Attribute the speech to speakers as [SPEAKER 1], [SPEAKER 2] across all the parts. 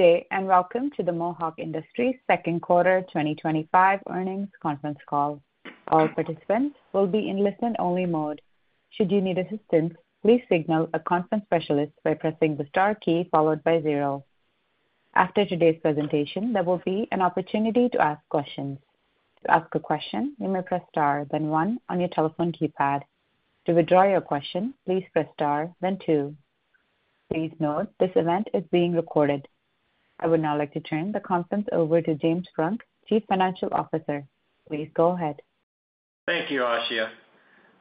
[SPEAKER 1] Good day, and welcome to the Mohawk Industries Second Quarter twenty twenty five Earnings Conference Call. All participants will be in listen only mode. Please signal a conference specialist by pressing the star key followed by zero. After today's presentation, there will be an opportunity to ask questions. To ask a question, you may press star, then one on your telephone keypad. Please note this event is being recorded. I would now like to turn the conference over to James Funk, Chief Financial Officer. Please go ahead.
[SPEAKER 2] Thank you, Ashiya.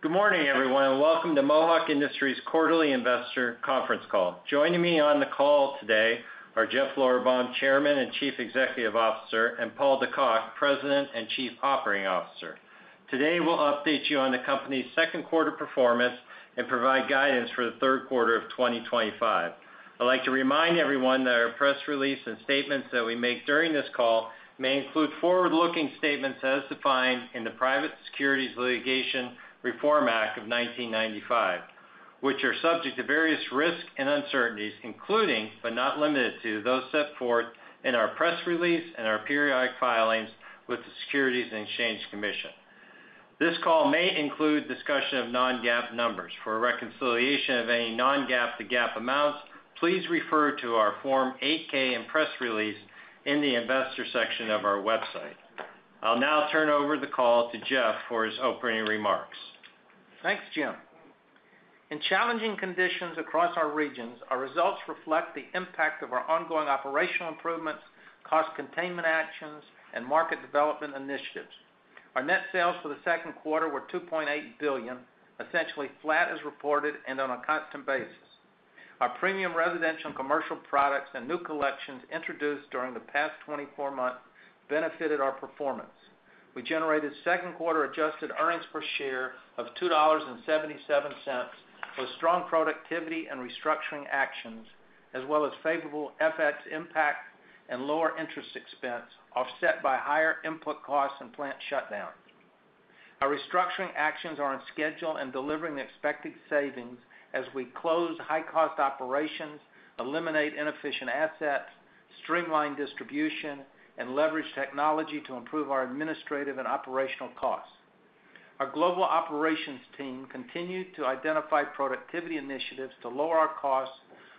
[SPEAKER 2] Good morning, everyone, and welcome to Mohawk Industries quarterly investor conference call. Joining me on the call today are Jeff Lorrebaum, Chairman and Chief Executive Officer and Paul Dacock, President and Chief Operating Officer. Today, we'll update you on the company's second quarter performance and provide guidance for the third quarter of twenty twenty five. I'd like to remind everyone that our press release and statements that we make during this call may include forward looking statements as defined in the Private Securities Litigation Reform Act of 1995, which are subject to various risks and uncertainties, including, but not limited to, those set forth in our press release and our periodic filings with Securities and Exchange Commission. This call may include discussion of non GAAP numbers. For a reconciliation of any non GAAP to GAAP amounts, please refer to our Form eight ks and press release in the Investors section of our website. I'll now turn over the call to Jeff for his opening remarks.
[SPEAKER 3] Thanks, Jim. In challenging conditions across our regions, our results reflect the impact of our ongoing operational improvements, cost containment actions and market development initiatives. Our net sales for the second quarter were $2,800,000,000 essentially flat as reported and on a constant basis. Our premium residential and commercial products and new collections introduced during the past twenty four months benefited our performance. We generated second quarter adjusted earnings per share of $2.77 with strong productivity and restructuring actions as well as favorable FX impact and lower interest expense offset by higher input costs and plant shutdowns. Our restructuring actions are on schedule and delivering the expected savings as we close high cost operations, eliminate inefficient assets, streamline distribution, and leverage technology to improve our administrative and operational costs. Our global operations team continued to identify productivity initiatives to lower our costs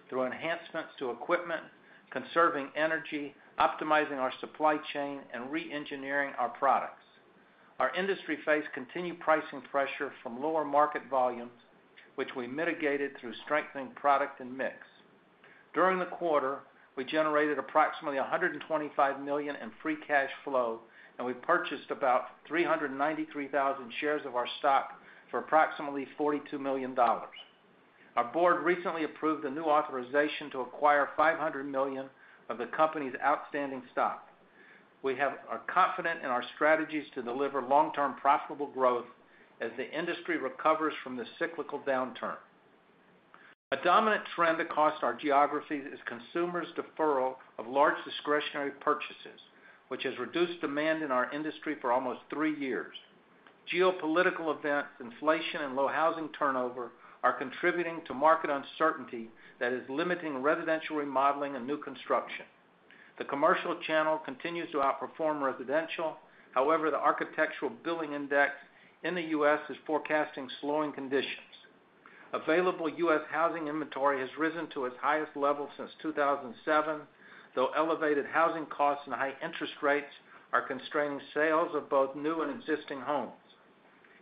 [SPEAKER 3] through enhancements to equipment, conserving energy, optimizing our supply chain and reengineering our products. Our industry faced continued pricing pressure from lower market volumes, which we mitigated through strengthening product and mix. During the quarter, we generated approximately $125,000,000 in free cash flow and we purchased about 393,000 shares of our stock for approximately $42,000,000 Our board recently approved a new authorization to acquire $500,000,000 of the company's outstanding stock. We are confident in our strategies to deliver long term profitable growth as the industry recovers from the cyclical downturn. A dominant trend across our geographies is consumers' deferral of large discretionary purchases, which has reduced demand in our industry for almost three years. Geopolitical events, inflation and low housing turnover are contributing to market uncertainty that is limiting residential remodeling and new construction. The commercial channel continues to outperform residential. However, the architectural billing index in The U. S. Is forecasting slowing conditions. Available U. S. Housing inventory has risen to its highest level since 02/2007, though elevated housing costs and high interest rates are constraining sales of both new and existing homes.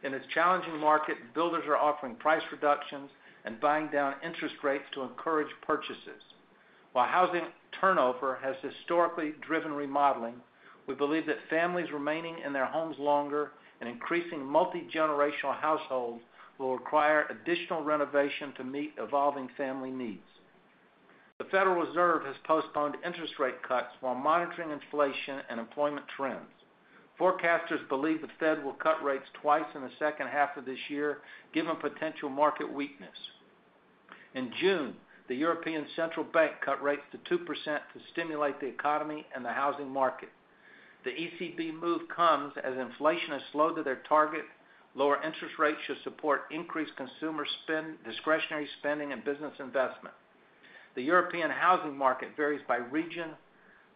[SPEAKER 3] In this challenging market, builders are offering price reductions and buying down interest rates to encourage purchases. While housing turnover has historically driven remodeling, we believe that families remaining in their homes longer and increasing multi generational households will require additional renovation to meet evolving family needs. The Federal Reserve has postponed interest rate cuts while monitoring inflation and employment trends. Forecasters believe the Fed will cut rates twice in the second half of this year given potential market weakness. In June, the European Central Bank cut rates to two percent to stimulate the economy and the housing market. The ECB move comes as inflation has slowed to their target. Lower interest rates should support increased consumer spend, discretionary spending and business investment. The European housing market varies by region,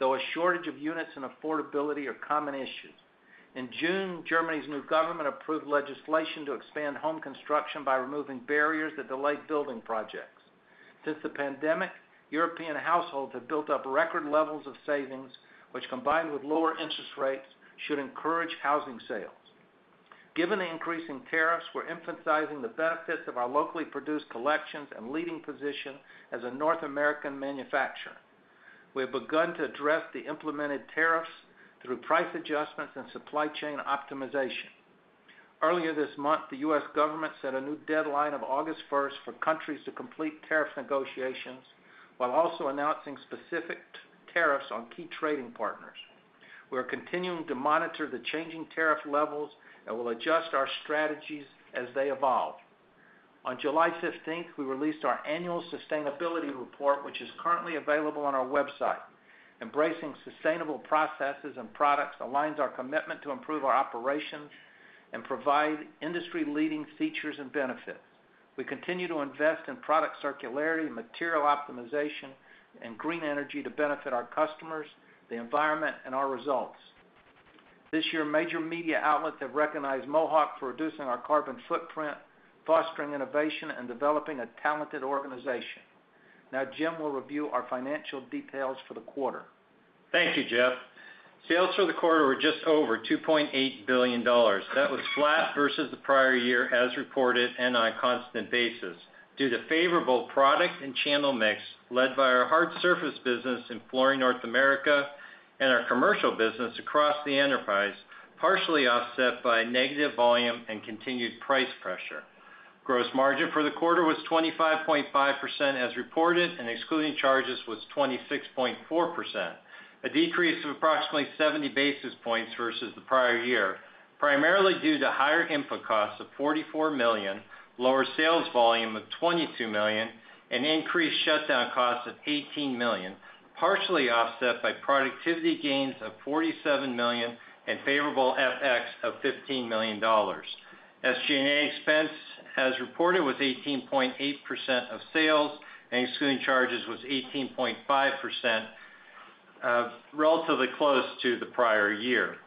[SPEAKER 3] though a shortage of units and affordability are common issues. In June, Germany's new government approved legislation to expand home construction by removing barriers that delayed building projects. Since the pandemic, European households have built up record levels of savings, which combined with lower interest rates should encourage housing sales. Given the increasing tariffs, we're emphasizing the benefits of our locally produced collections and leading position as a North American manufacturer. We have begun to address the implemented tariffs through price adjustments and supply chain optimization. Earlier this month, the U. S. Government set a new deadline of August 1 for countries to complete tariff negotiations while also announcing specific tariffs on key trading partners. We are continuing to monitor the changing tariff levels and will adjust our strategies as they evolve. On July 15, we released our annual sustainability report, which is currently available on our website. Embracing sustainable processes and products aligns our commitment to improve our operations and provide industry leading features and benefits. We continue to invest in product circularity, material optimization and green energy to benefit our customers, the environment and our results. This year, major media outlets have recognized Mohawk for reducing our carbon footprint, fostering innovation and developing a talented organization. Now Jim will review our financial details for the quarter.
[SPEAKER 2] Thank you, Jeff. Sales for the quarter were just over $2,800,000,000 That was flat versus the prior year as reported and on a constant basis due to favorable product and channel mix led by our hard surface business in Flooring North America and our commercial business across the enterprise, partially offset by negative volume and continued price pressure. Gross margin for the quarter was 25.5% as reported and excluding charges was 26.4%, a decrease of approximately 70 basis points versus the prior year, primarily due to higher input costs of $44,000,000 lower sales volume of $22,000,000 and increased shutdown costs of $18,000,000 partially offset by productivity gains of $47,000,000 and favorable FX of $15,000,000 SG and A expense as reported was 18.8% of sales and excluding charges was 18.5%, relatively close to the prior year.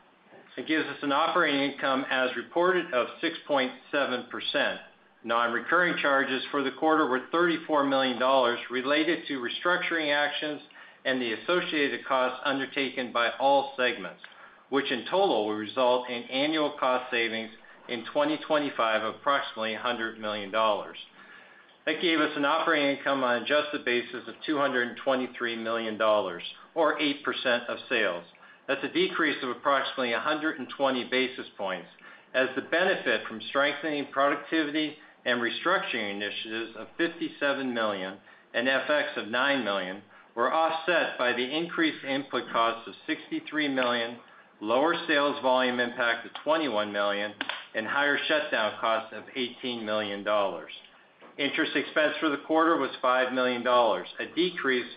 [SPEAKER 2] It gives us an operating income as reported of 6.7%. Non recurring charges for the quarter were $34,000,000 related to restructuring actions and the associated costs undertaken by all segments, which in total will result in annual cost savings in 2025 of approximately $100,000,000 That gave us an operating income on an adjusted basis of $223,000,000 or 8% of sales. That's a decrease of approximately 120 basis points as the benefit from strengthening productivity and restructuring initiatives of $57,000,000 and FX of $9,000,000 were offset by the increased input costs of $63,000,000 lower sales volume impact of twenty one million dollars and higher shutdown costs of $18,000,000 Interest expense for the quarter was $5,000,000 a decrease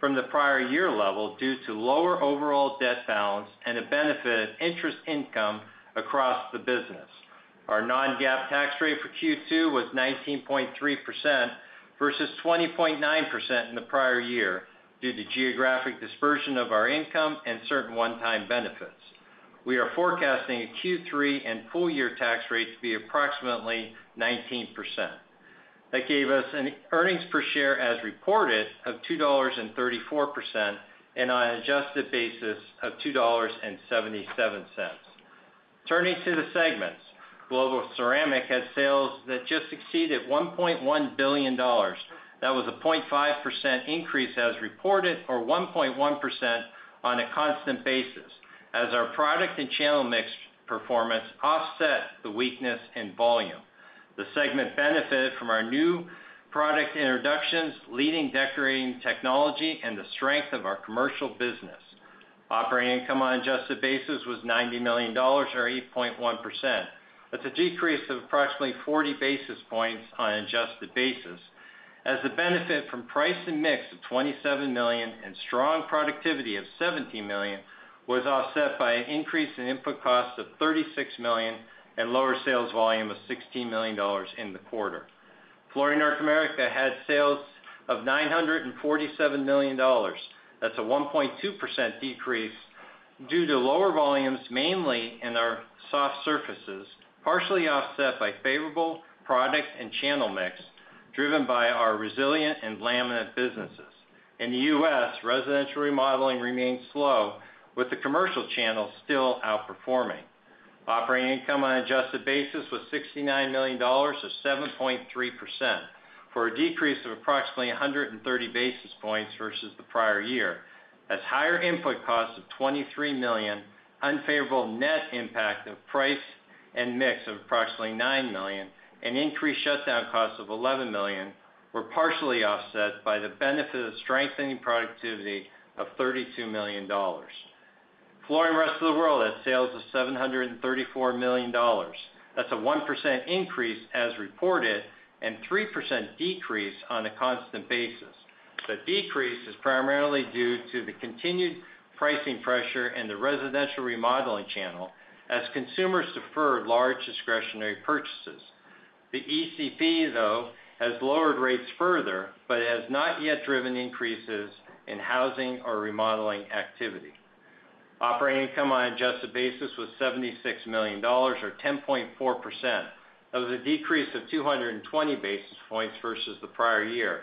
[SPEAKER 2] from the prior year level due to lower overall debt balance and a benefit of interest income across the business. Our non GAAP tax rate for Q2 was 19.3 versus 20.9% in the prior year due to geographic dispersion of our income and certain one time benefits. We are forecasting a Q3 and full year tax rate to be approximately 19%. That gave us an earnings per share as reported of 2.34 and on an adjusted basis of $2.77 Turning to the segments. Global ceramic had sales that just exceeded $1,100,000,000 that was a 0.5% increase as reported or 1.1% on a constant basis as our product and channel mix performance offset the weakness in volume. The segment benefited from our new product introductions, leading decorating technology and the strength of our commercial business. Operating income on adjusted basis was $90,000,000 or 8.1%. That's a decrease of approximately 40 basis points on an adjusted basis as the benefit from price and mix of $27,000,000 and strong productivity of $17,000,000 was offset by an increase in input costs of $36,000,000 and lower sales volume of $16,000,000 in the quarter. Flooring North America had sales of $947,000,000 that's a 1.2% decrease due to lower volumes mainly in our soft surfaces, partially offset by favorable product and channel mix driven by our resilient and laminate businesses. In The U. S, residential remodeling remained slow with the commercial channel still outperforming. Operating income on an adjusted basis was $69,000,000 or 7.3% for a decrease of approximately 130 basis points versus the prior year as higher input costs of $23,000,000 unfavorable net impact of price and mix of approximately $9,000,000 and increased shutdown costs of $11,000,000 were partially offset by the benefit of strengthening productivity of $32,000,000 Flooring Rest of the World had sales of $734,000,000 That's a 1% increase as reported and 3% decrease on a constant basis. The decrease is primarily due to the continued pricing pressure in the residential remodeling channel as consumers deferred large discretionary purchases. The ECP though has lowered rates further, but has not yet driven increases in housing or remodeling activity. Operating income on an adjusted basis was $76,000,000 or 10.4%. That was a decrease of two twenty basis points versus the prior year,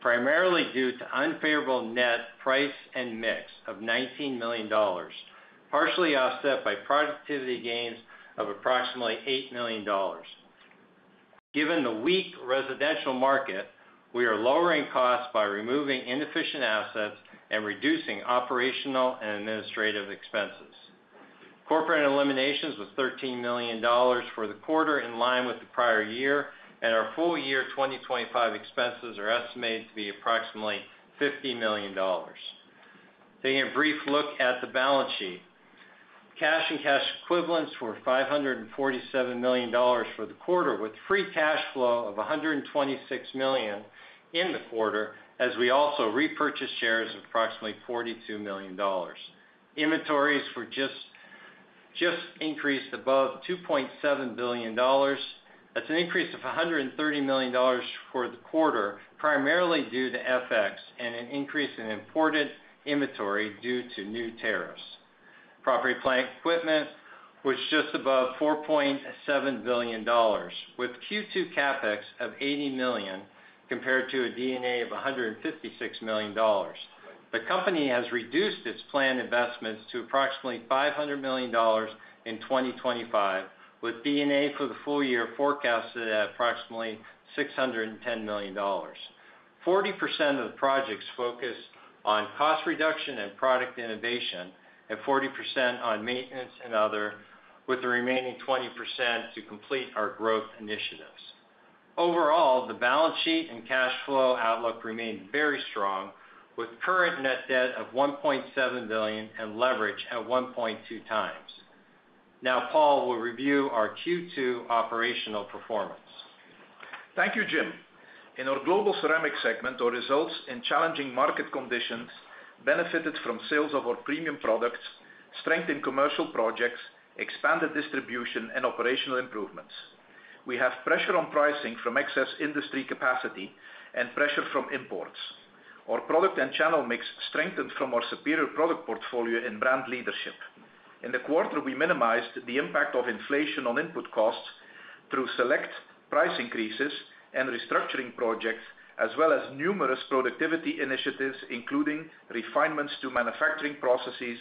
[SPEAKER 2] primarily due to unfavorable net price and mix of $19,000,000 partially offset by productivity gains of approximately $8,000,000 Given the weak residential market, we are lowering costs by removing inefficient assets and reducing operational and administrative expenses. Corporate eliminations was $13,000,000 for the quarter, in line with the prior year, and our full year 2025 expenses are estimated to be approximately $50,000,000 Taking a brief look at the balance sheet. Cash and cash equivalents were $547,000,000 for the quarter with free cash flow of $126,000,000 in the quarter as we also repurchased shares of approximately $42,000,000 Inventories were just increased above 2,700,000,000 That's an increase of $130,000,000 for the quarter, primarily due to FX and an increase in imported inventory due to new tariffs. Property, plant and equipment was just above $4,700,000,000 with Q2 CapEx of $80,000,000 compared to a D and A of $156,000,000 The company has reduced its planned investments to approximately $500,000,000 in 2025 with D and A for the full year forecasted at approximately $610,000,000 40% of the projects focus on cost reduction and product innovation and 40% on maintenance and other with the remaining 20% to complete our growth initiatives. Overall, the balance sheet and cash flow outlook remained very strong with current net debt of $1,700,000,000 and leverage at 1.2 times. Now Paul will review our Q2 operational performance.
[SPEAKER 4] Thank you, Jim. In our Global Ceramic segment, our results in challenging market conditions benefited from sales of our premium products, strength in commercial projects, expanded distribution and operational improvements. We have pressure on pricing from excess industry capacity and pressure from imports. Our product and channel mix strengthened from our superior product portfolio and brand leadership. In the quarter, we minimized the impact of inflation on input costs through select price increases and restructuring projects as well as numerous productivity initiatives including refinements to manufacturing processes,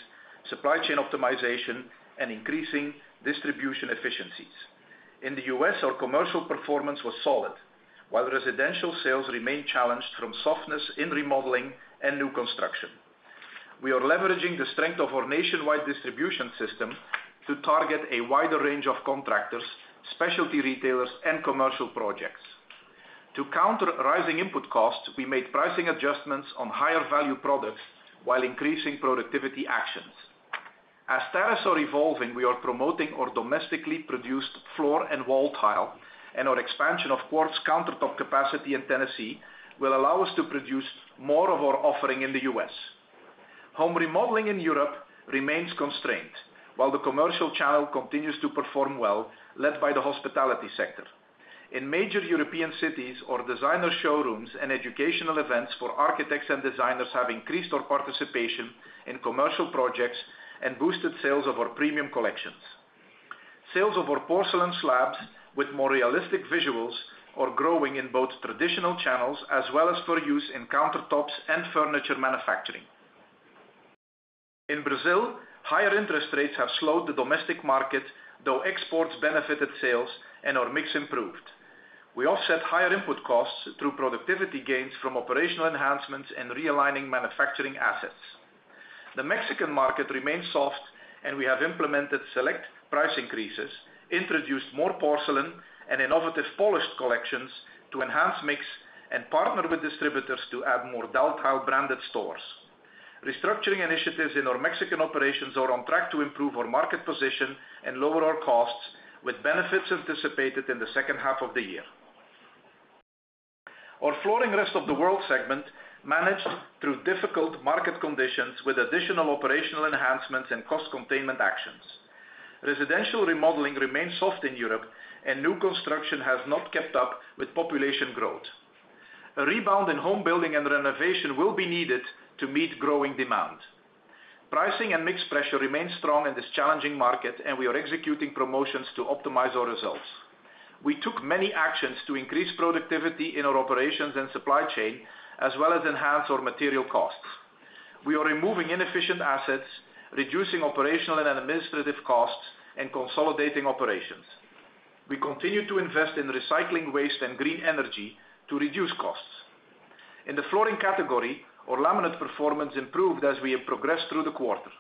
[SPEAKER 4] supply chain optimization and increasing distribution efficiencies. In The U. S, our commercial performance was solid, while residential sales remain challenged from softness in remodeling and new construction. We are leveraging the strength of our nationwide distribution system to target a wider range of contractors, specialty retailers and commercial projects. To counter rising input costs, we made pricing adjustments on higher value products, while increasing productivity actions. As tariffs are evolving, we are promoting our domestically produced floor and wall tile and our expansion of quartz countertop capacity in Tennessee will allow us to produce more of our offering in The U. S. Home remodeling in Europe remains constrained, while the commercial channel continues to perform well led by the hospitality sector. In major European cities, our designer showrooms and educational events for architects and designers have increased our participation in commercial projects and boosted sales of our premium collections. Sales of our porcelain slabs with more realistic visuals are growing in both traditional channels as well as for use in countertops and furniture manufacturing. In Brazil, higher interest rates have slowed the domestic market though exports benefited sales and our mix improved. We offset higher input costs through productivity gains from operational enhancements and realigning manufacturing assets. The Mexican market remains soft and we have implemented select price increases, introduced more porcelain and innovative polished collections to enhance mix and partner with distributors to add more Dalthau branded stores. Restructuring initiatives in our Mexican operations are on track to improve our market position and lower our costs with benefits anticipated in the second half of the year. Our Flooring Rest of the World segment managed through difficult market conditions with additional operational enhancements and cost containment actions. Residential remodeling remains soft in Europe and new construction has not kept up with population growth. A rebound in homebuilding and renovation will be needed to meet growing demand. Pricing and mix pressure remains strong in this challenging market and we are executing promotions to optimize our results. We took many actions to increase productivity in our operations and supply chain as well as enhance our material costs. We are removing inefficient assets, reducing operational and administrative costs and consolidating operations. We continue to invest in recycling waste and green energy to reduce costs. In the Flooring category, our laminate performance improved as we have progressed through the quarter.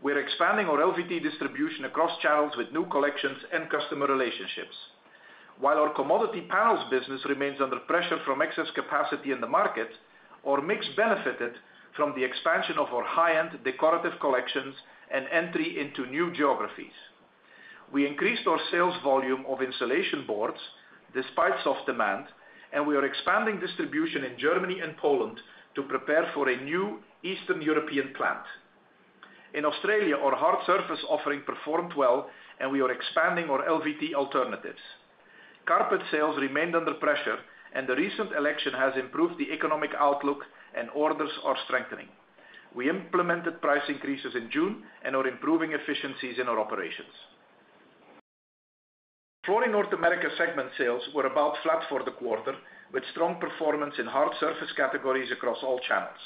[SPEAKER 4] We are expanding our LVT distribution across channels with new collections and customer relationships. While our commodity panels business remains under pressure from excess capacity in the market, our mix benefited from the expansion of our high end decorative collections and entry into new geographies. We increased our sales volume of insulation boards despite soft demand and we are expanding distribution in Germany and Poland to prepare for a new Eastern European plant. In Australia, our hard surface offering performed well and we are expanding our LVT alternatives. Carpet sales remained under pressure and the recent election has improved the economic outlook and orders are strengthening. We implemented price increases in June and are improving efficiencies in our operations. Flooring North America segment sales were about flat for the quarter with strong performance in hard surface categories across all channels.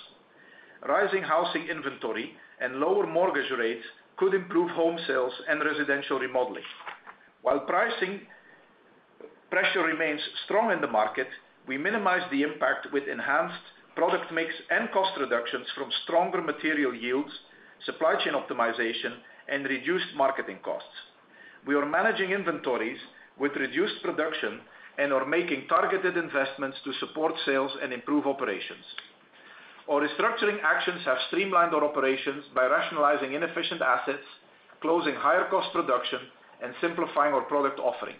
[SPEAKER 4] Rising housing inventory and lower mortgage rates could improve home sales and residential remodeling. While pricing pressure remains strong in the market, we minimize the impact with enhanced product mix and cost reductions from stronger material yields, supply chain optimization and reduced marketing costs. We are managing inventories with reduced production and are making targeted investments to support sales and improve operations. Our restructuring actions have streamlined our operations by rationalizing inefficient assets, closing higher cost production and simplifying our product offering.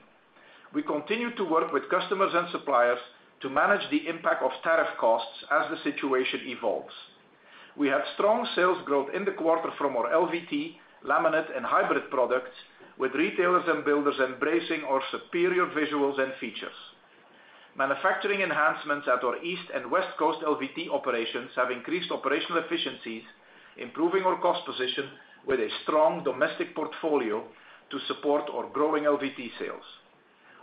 [SPEAKER 4] We continue to work with customers and suppliers to manage the impact of tariff costs as the situation evolves. We had strong sales growth in the quarter from our LVT, laminate and hybrid products with retailers and builders embracing our superior visuals and features. Manufacturing enhancements at our East And West Coast LVT operations have increased operational efficiencies, improving our cost position with a strong domestic portfolio to support our growing LVT sales.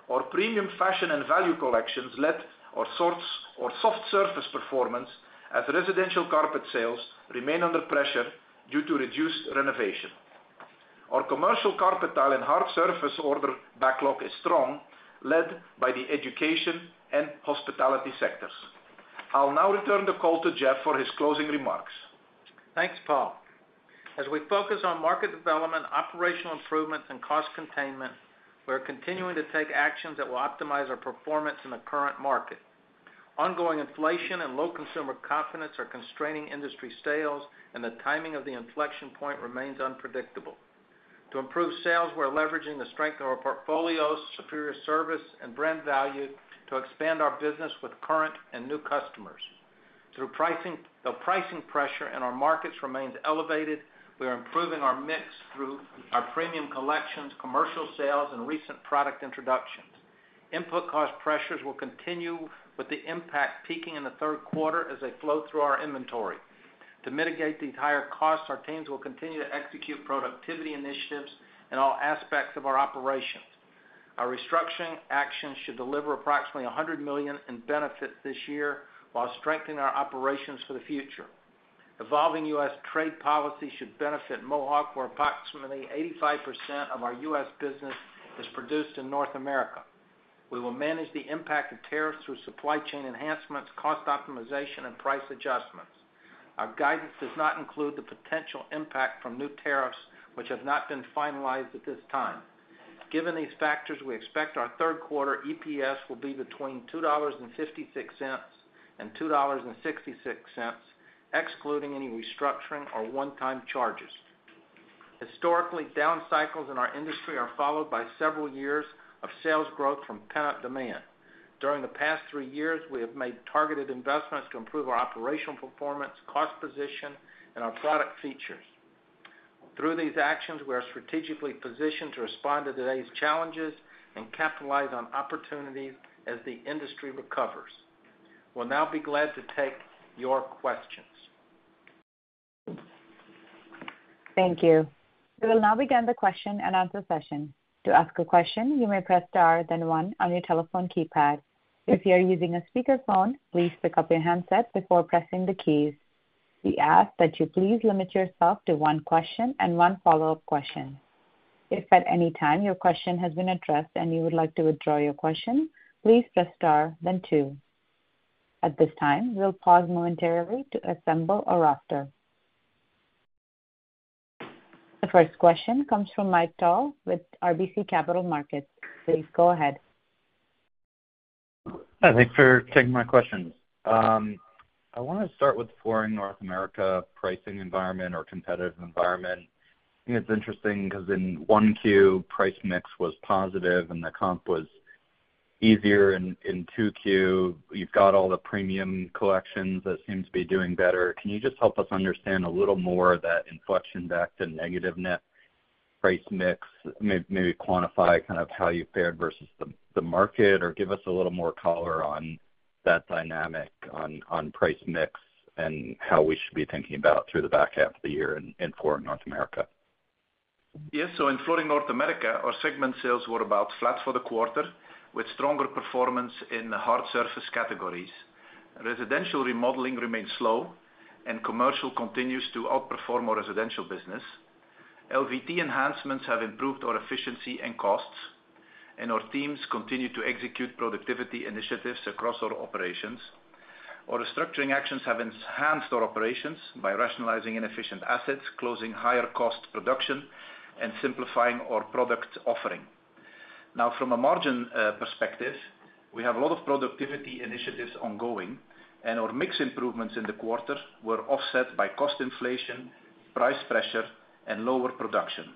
[SPEAKER 4] Our premium fashion and value collections led our soft surface performance as residential carpet sales remain under pressure due to reduced renovation. Our commercial carpet tile and hard surface order backlog is strong led by the education and hospitality sectors. I'll now return the call to Jeff for his closing remarks.
[SPEAKER 3] Thanks, Paul. As we focus on market development, operational improvements and cost containment, we are continuing to take actions that will optimize our performance in the current market. Ongoing inflation and low consumer confidence are constraining industry sales and the timing of the inflection point remains unpredictable. To improve sales, we're leveraging the strength of our portfolio, superior service and brand value to expand our business with current and new customers. The pricing pressure in our markets remains elevated, we are improving our mix through our premium collections, commercial sales and recent product introductions. Input cost pressures will continue with the impact peaking in the third quarter as they flow through our inventory. To mitigate these higher costs, our teams will continue to execute productivity initiatives in all aspects of our operations. Our restructuring actions should deliver approximately $100,000,000 in benefits this year while strengthening our operations for the future. Evolving U. S. Trade policy should benefit Mohawk where approximately 85% of our U. S. Business is produced in North America. We will manage the impact of tariffs through supply chain enhancements, cost optimization and price adjustments. Our guidance does not include the potential impact from new tariffs, which have not been finalized at this time. Given these factors, we expect our third quarter EPS will be between $2.56 and $2.66 excluding any restructuring or onetime charges. Historically, down cycles in our industry are followed by several years of sales growth from pent up demand. During the past three years, we have investments to improve our operational performance, cost position and our product features. Through these actions, we are strategically positioned to respond to today's challenges and capitalize on opportunities as the industry recovers. We'll now be glad to take your questions.
[SPEAKER 1] Thank you. We will now begin the question and answer session. If you are using a speakerphone, please pick up your handset before pressing the keys. We ask that you please limit yourself to one question and one follow-up question. If at any time your question has been addressed and you would like to withdraw your question, The first question comes from Mike Thal with RBC Capital Markets. Please go ahead.
[SPEAKER 5] Thanks for taking my questions. I want to start with Flooring North America pricing environment or competitive environment. I think it's interesting because in 1Q price mix was positive and the comp was easier in 2Q. You've got all the premium collections that seems to be doing better. Can you just help us understand a little more of that inflection back to negative net price mix, maybe quantify kind of how you fared versus the market or give us a little more color on that dynamic on price mix and how we should be thinking about through the back half of the year in North America?
[SPEAKER 4] Yes. So in Flooring North America, our segment sales were about flat for the quarter with stronger performance in the hard surface categories. Residential remodeling remained slow and commercial continues to outperform our residential business. LVT enhancements have improved our efficiency and costs and our teams continue to execute productivity initiatives across our operations. Our restructuring actions have enhanced our operations by rationalizing inefficient assets, closing higher cost production and simplifying our product offering. Now from a margin perspective, we have a lot of productivity initiatives ongoing and our mix improvements in the quarter were offset by cost inflation, price pressure and lower production.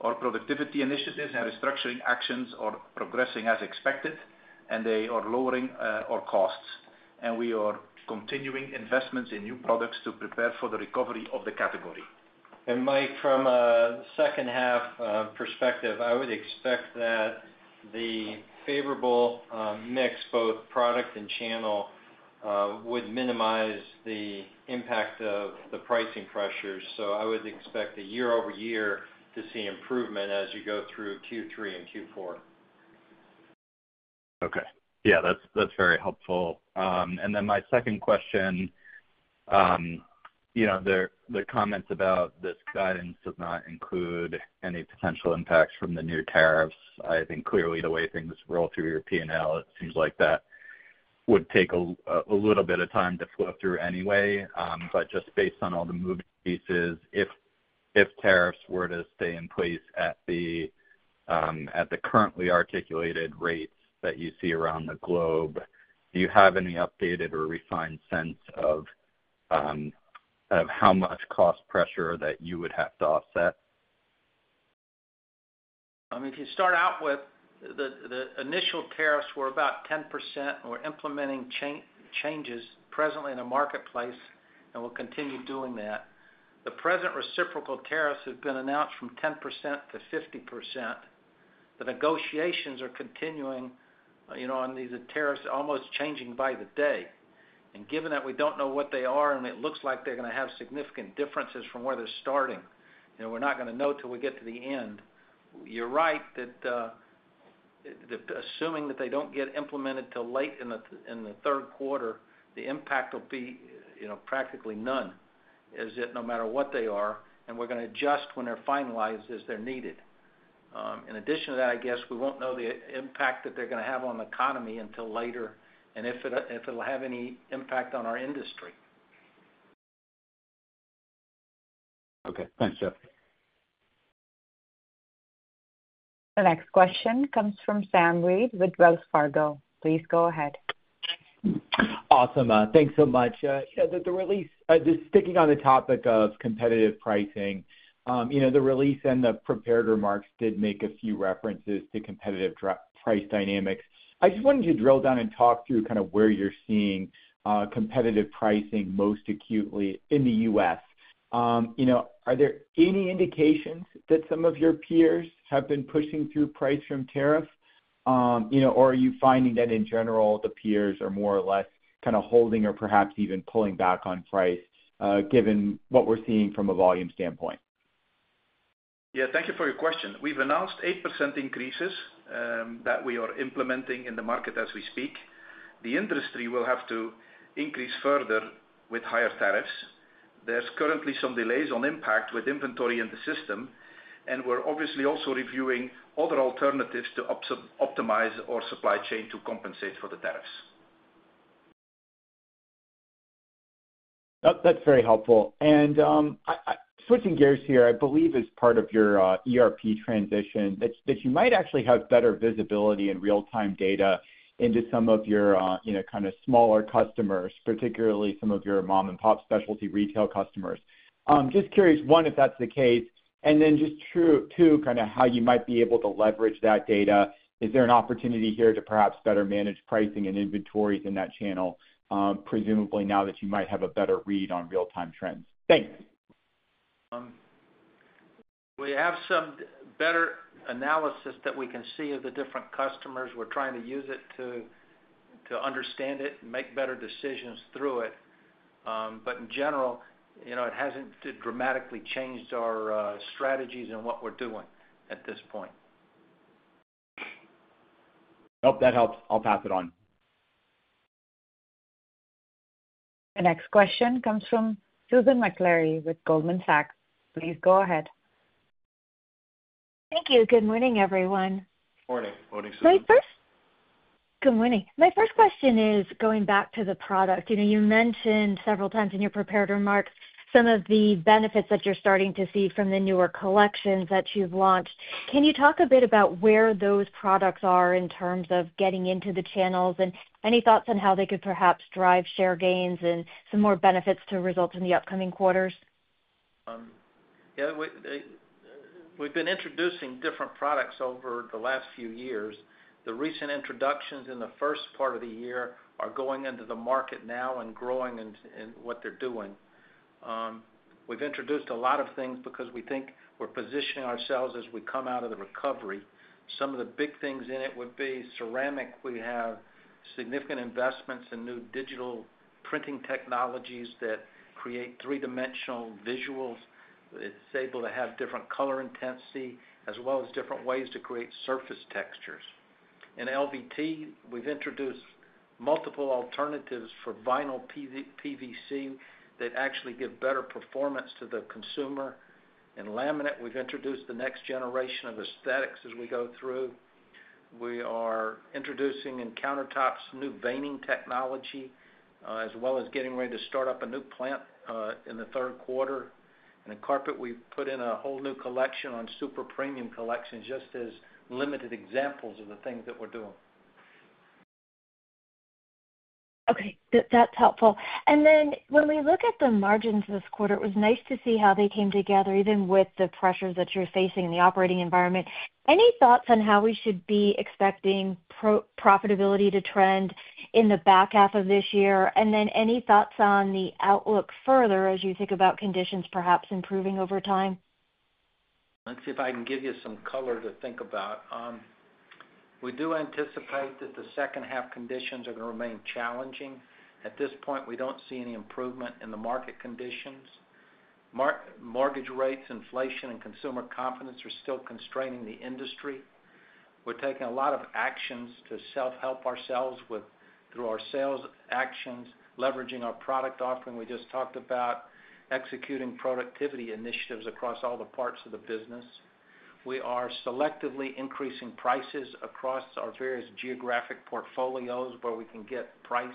[SPEAKER 4] Our productivity initiatives and restructuring actions are progressing as expected and they are lowering our costs and we are continuing investments in new products to prepare for the recovery of the category.
[SPEAKER 2] And Mike from a second half perspective, I would expect that the favorable mix both product and channel would minimize the impact of the pricing pressures. So I would expect the year over year to see improvement as you go through Q3 and Q4.
[SPEAKER 5] Okay. Yes, that's very helpful. And then my second question, the comments about this guidance does not include any potential impacts from the new tariffs. I think clearly the way things roll through your P and L, it seems like that would take a little bit of time to flow through anyway. But just based on all the moving pieces, if tariffs were to stay in place at the currently articulated rates that you see around the globe, do you have any updated or refined sense of how much cost pressure that you would have to offset?
[SPEAKER 3] If you start out with the initial tariffs were about 10%. We're implementing changes presently in the marketplace and we'll continue doing that. The present reciprocal tariffs have been announced from 10% to 50%. The negotiations are continuing on these tariffs almost changing by the day. Given that we don't know what they are and it looks like they're going to have significant differences from where they're starting, we're not going to know until we get to the end. You're right that assuming that they don't get implemented until late in the third quarter, the impact will be practically none, as it no matter what they are. And we're going to adjust when they're finalized as they're needed. In addition to that, I guess, we won't know the impact that they're going to have on the economy until later and if it'll have any impact on our industry.
[SPEAKER 5] Okay. Thanks, Jeff.
[SPEAKER 1] The next question comes from Sam Reid with Wells Fargo. Please go ahead.
[SPEAKER 6] Awesome, thanks so much. The release, just sticking on the topic of competitive pricing, The release and the prepared remarks did make a few references to competitive price dynamics. I just wanted to drill down and talk through kind of where you're seeing competitive pricing most acutely in The US. Are there any indications that some of your peers have been pushing through price from tariffs? Or are you finding that in general the peers are more or less kind of holding or perhaps even pulling back on price, given what we're seeing from a volume standpoint?
[SPEAKER 4] Yes. Thank you for your question. We've announced 8% increases that we are implementing in the market as we speak. The industry will have to increase further with higher tariffs. There's currently some delays on impact with inventory in the system. And we're obviously also reviewing other alternatives to optimize our supply chain to compensate for the tariffs.
[SPEAKER 6] That's very helpful. Switching gears here, I believe as part of your ERP transition that you might actually have better visibility and real time data into some of your smaller customers, particularly some of your mom and pop specialty retail customers. Just curious, one, if that's the case, and then just two, how you might be able to leverage that data. Is there an opportunity here to perhaps better manage pricing and inventories in that channel, presumably now that you might have a better read on real time trends? Thanks.
[SPEAKER 3] We have some better analysis that we can see of the different customers. We're trying to use it to understand it and make better decisions through it. But in general, it hasn't dramatically changed our, strategies and what we're doing at this point.
[SPEAKER 6] Hope that helps. I'll pass it on.
[SPEAKER 1] The next question comes from Susan McLeary with Goldman Sachs. Please go ahead.
[SPEAKER 7] Thank you. Good morning, everyone.
[SPEAKER 2] Good morning.
[SPEAKER 4] Good Susan.
[SPEAKER 7] Good morning. My first question is going back to the product. You mentioned several times in your prepared remarks some of the benefits that you're starting to see from the newer collections that you've launched. Can you talk a bit about where those products are in terms of getting into the channels? Any thoughts on how they could perhaps drive share gains and some more benefits to results in the upcoming quarters?
[SPEAKER 3] We've been introducing different products over the last few years. The recent introductions in the first part of the year are going into the market now and growing in what they're doing. We've introduced a lot of things because we think we're positioning ourselves as we come out of the recovery. Some of the big things in it would be ceramic. We have significant investments in new digital printing technologies that create three-dimensional visuals. It's able to have different color intensity as well as different ways to create surface textures. In LVT, we've introduced multiple alternatives for vinyl PVC that actually give better performance to the consumer. In laminate, we've introduced the next generation of aesthetics as we go through. We are introducing in countertops new veining technology, as well as getting ready to start up a new plant, in the third quarter. In carpet, we've put in a whole new collection on super premium collections just as limited examples of the things that we're doing.
[SPEAKER 7] Okay. That's helpful. And then when we look at the margins this quarter, was nice to see how they came together even with the pressures that you're facing in the operating environment. Any thoughts on how we should be expecting profitability to trend in the back half of this year? And then any thoughts on the outlook further as you think about conditions perhaps improving over time?
[SPEAKER 3] Let's see if I can give you some color to think about. We do anticipate that the second half conditions are going to remain challenging. At this point, we don't see any improvement in the market conditions. Mortgage rates, inflation and consumer confidence are still constraining the industry. We're taking a lot of actions to self help ourselves through our sales actions, leveraging our product offering we just talked about, executing productivity initiatives across all the parts of the business. We are selectively increasing prices across our various geographic portfolios where we can get price.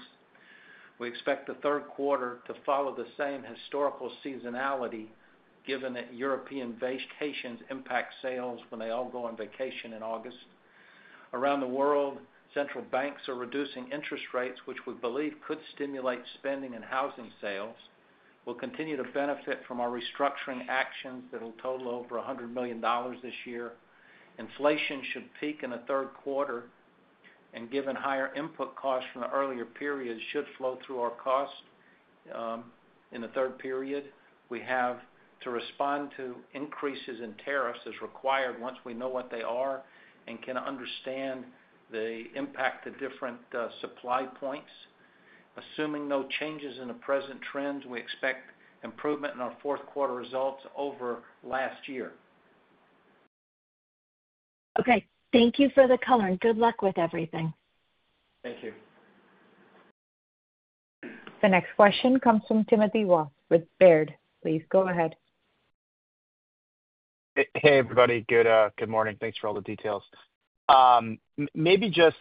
[SPEAKER 3] We expect the third quarter to follow the same historical seasonality given that European vacations impact sales when they all go on vacation in August. Around the world, central banks are reducing interest rates, which we believe could stimulate spending in housing sales. We'll continue to benefit from our restructuring actions that will total over $100,000,000 this year. Inflation should peak in the third quarter and given higher input costs from the earlier periods should flow through our cost in the third period. We have to respond to increases in tariffs as required once we know what they are and can understand the impact of different supply points. Assuming no changes in the present trends, we expect improvement in our fourth quarter results over last year.
[SPEAKER 7] Okay. Thank you for the color and good luck with everything.
[SPEAKER 1] Thank you. The next question comes from Timothy Wah with Baird. Please go ahead.
[SPEAKER 8] Hey, everybody. Good morning. Thanks for all the details. Maybe just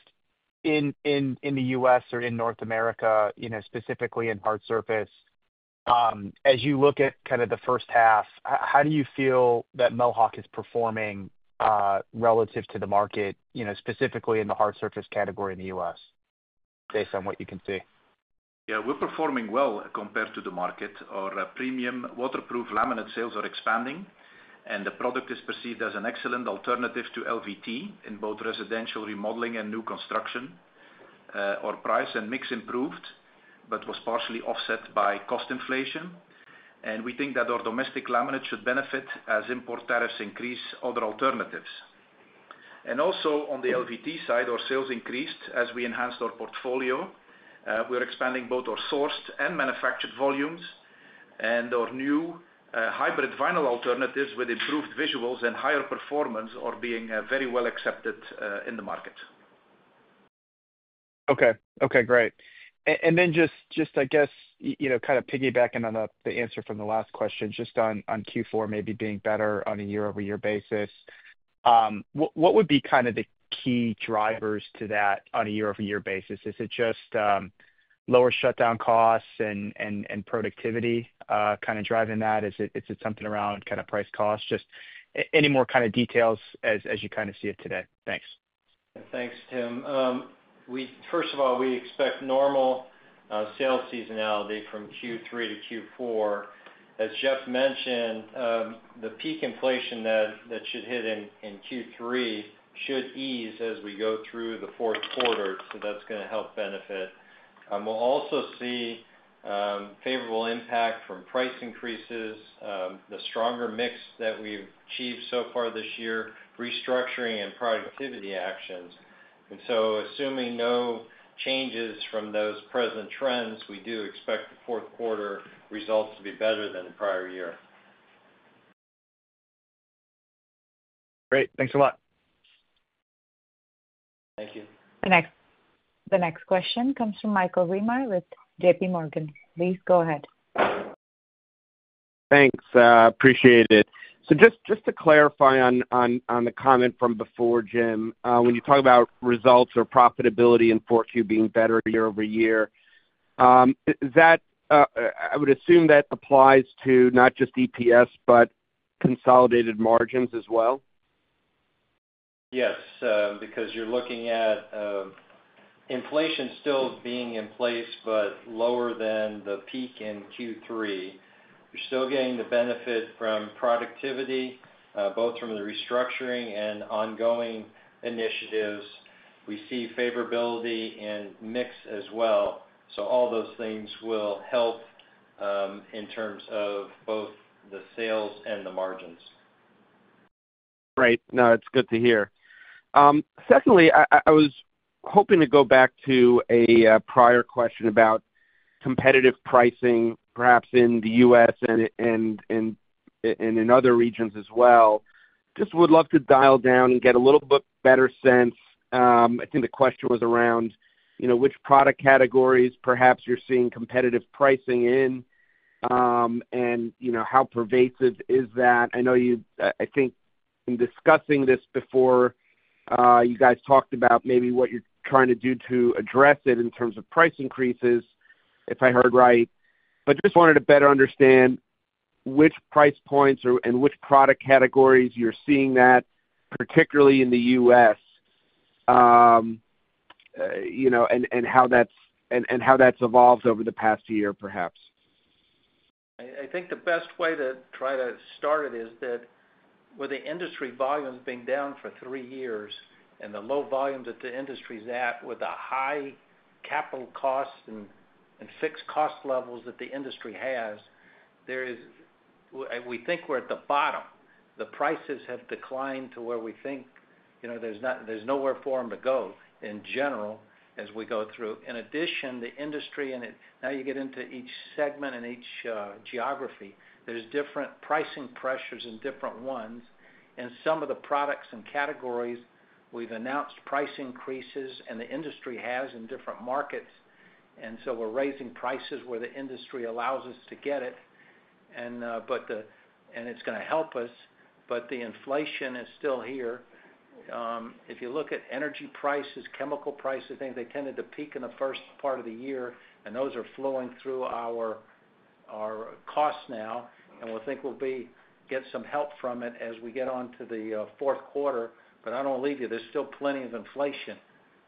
[SPEAKER 8] in The U. S. Or in North America, specifically in hard surface, as you look at kind of the first half, how do you feel that Mohawk is performing relative to the market, specifically in the hard surface category in The U. S. Based on what you can see?
[SPEAKER 4] Yes, we're performing well compared to the market. Our premium waterproof laminate sales are expanding and the product is perceived as an excellent alternative to LVT in both residential remodeling and new construction. Our price and mix improved, but was partially offset by cost inflation. And we think that our domestic laminates should benefit as import tariffs increase other alternatives. And also on the LVT side, our sales increased as we enhanced our portfolio. We're expanding both our sourced and manufactured volumes and our new hybrid vinyl alternatives with improved visuals and higher performance are being very well accepted in the market.
[SPEAKER 8] Okay. Okay, great. And then just I guess kind of piggybacking on the answer from the last question just on Q4 maybe being better on a year over year basis. What would be kind of the key drivers to that on a year over year basis? Is it just lower shutdown costs and productivity, kind of driving that? Is it something around kind of price cost? Just any more kind of details as you kind of see it today? Thanks.
[SPEAKER 2] Thanks, Tim. We first of all, we expect normal sales seasonality from Q3 to Q4. As Jeff mentioned, the peak inflation that should hit in Q3 should ease as we go through the fourth quarter. So that's going to help benefit. We'll also see, favorable impact from price increases, the stronger mix that we've achieved so far this year, restructuring and productivity actions. And so assuming no changes from those present trends, we do expect the fourth quarter results to be better than the prior year.
[SPEAKER 8] Great. Thanks a lot.
[SPEAKER 1] Thank you. The next question comes from Michael Rehmar with JPMorgan. Please go ahead.
[SPEAKER 9] Thanks. Appreciate it. So just to clarify on the comment from before, Jim, when you talk about results or profitability in 4Q being better year over year, Is that I would assume that applies to not just EPS, but consolidated margins as well?
[SPEAKER 2] Yes. Because you're looking at inflation still being in place, but lower than the peak in Q3. We're still getting the benefit from productivity, both from the restructuring and ongoing initiatives. We see favorability in mix as well. So all those things will help, in terms of both the sales and the margins.
[SPEAKER 9] Great. No, it's good to hear. Secondly, I was hoping to go back to a prior question about competitive pricing perhaps in The U. S. And in other regions as well. Just would love to dial down and get a little bit better sense. I think the question was around which product categories perhaps you're seeing competitive pricing in? And how pervasive is that? I know you I think in discussing this before, you guys talked about maybe what you're trying to do to address it in terms of price increases, if I heard right. But just wanted to better understand which price points and which product categories you're seeing that particularly in The U. S. And how that's evolved over the past year perhaps?
[SPEAKER 3] I think the best way to try to start it is that with the industry volumes being down for three years and the low volumes that the industry is at with the high capital cost and fixed cost levels that the industry has, there is we think we're at the bottom. The prices have declined to where we think there's nowhere for them to go in general as we go through. In addition, the industry now you get into each segment and each geography. There's different pricing pressures in different ones. In some of the products and categories, we've announced price increases and the industry has in different markets. So we're raising prices where the industry allows us to get it. And it's going to help us. But the inflation is still here. If you look at energy prices, chemical prices, they tended to peak in the first part of the year. Those are flowing through our costs now. We think we'll get some help from it as we get on to the fourth quarter. But I don't want leave you. There's still plenty of inflation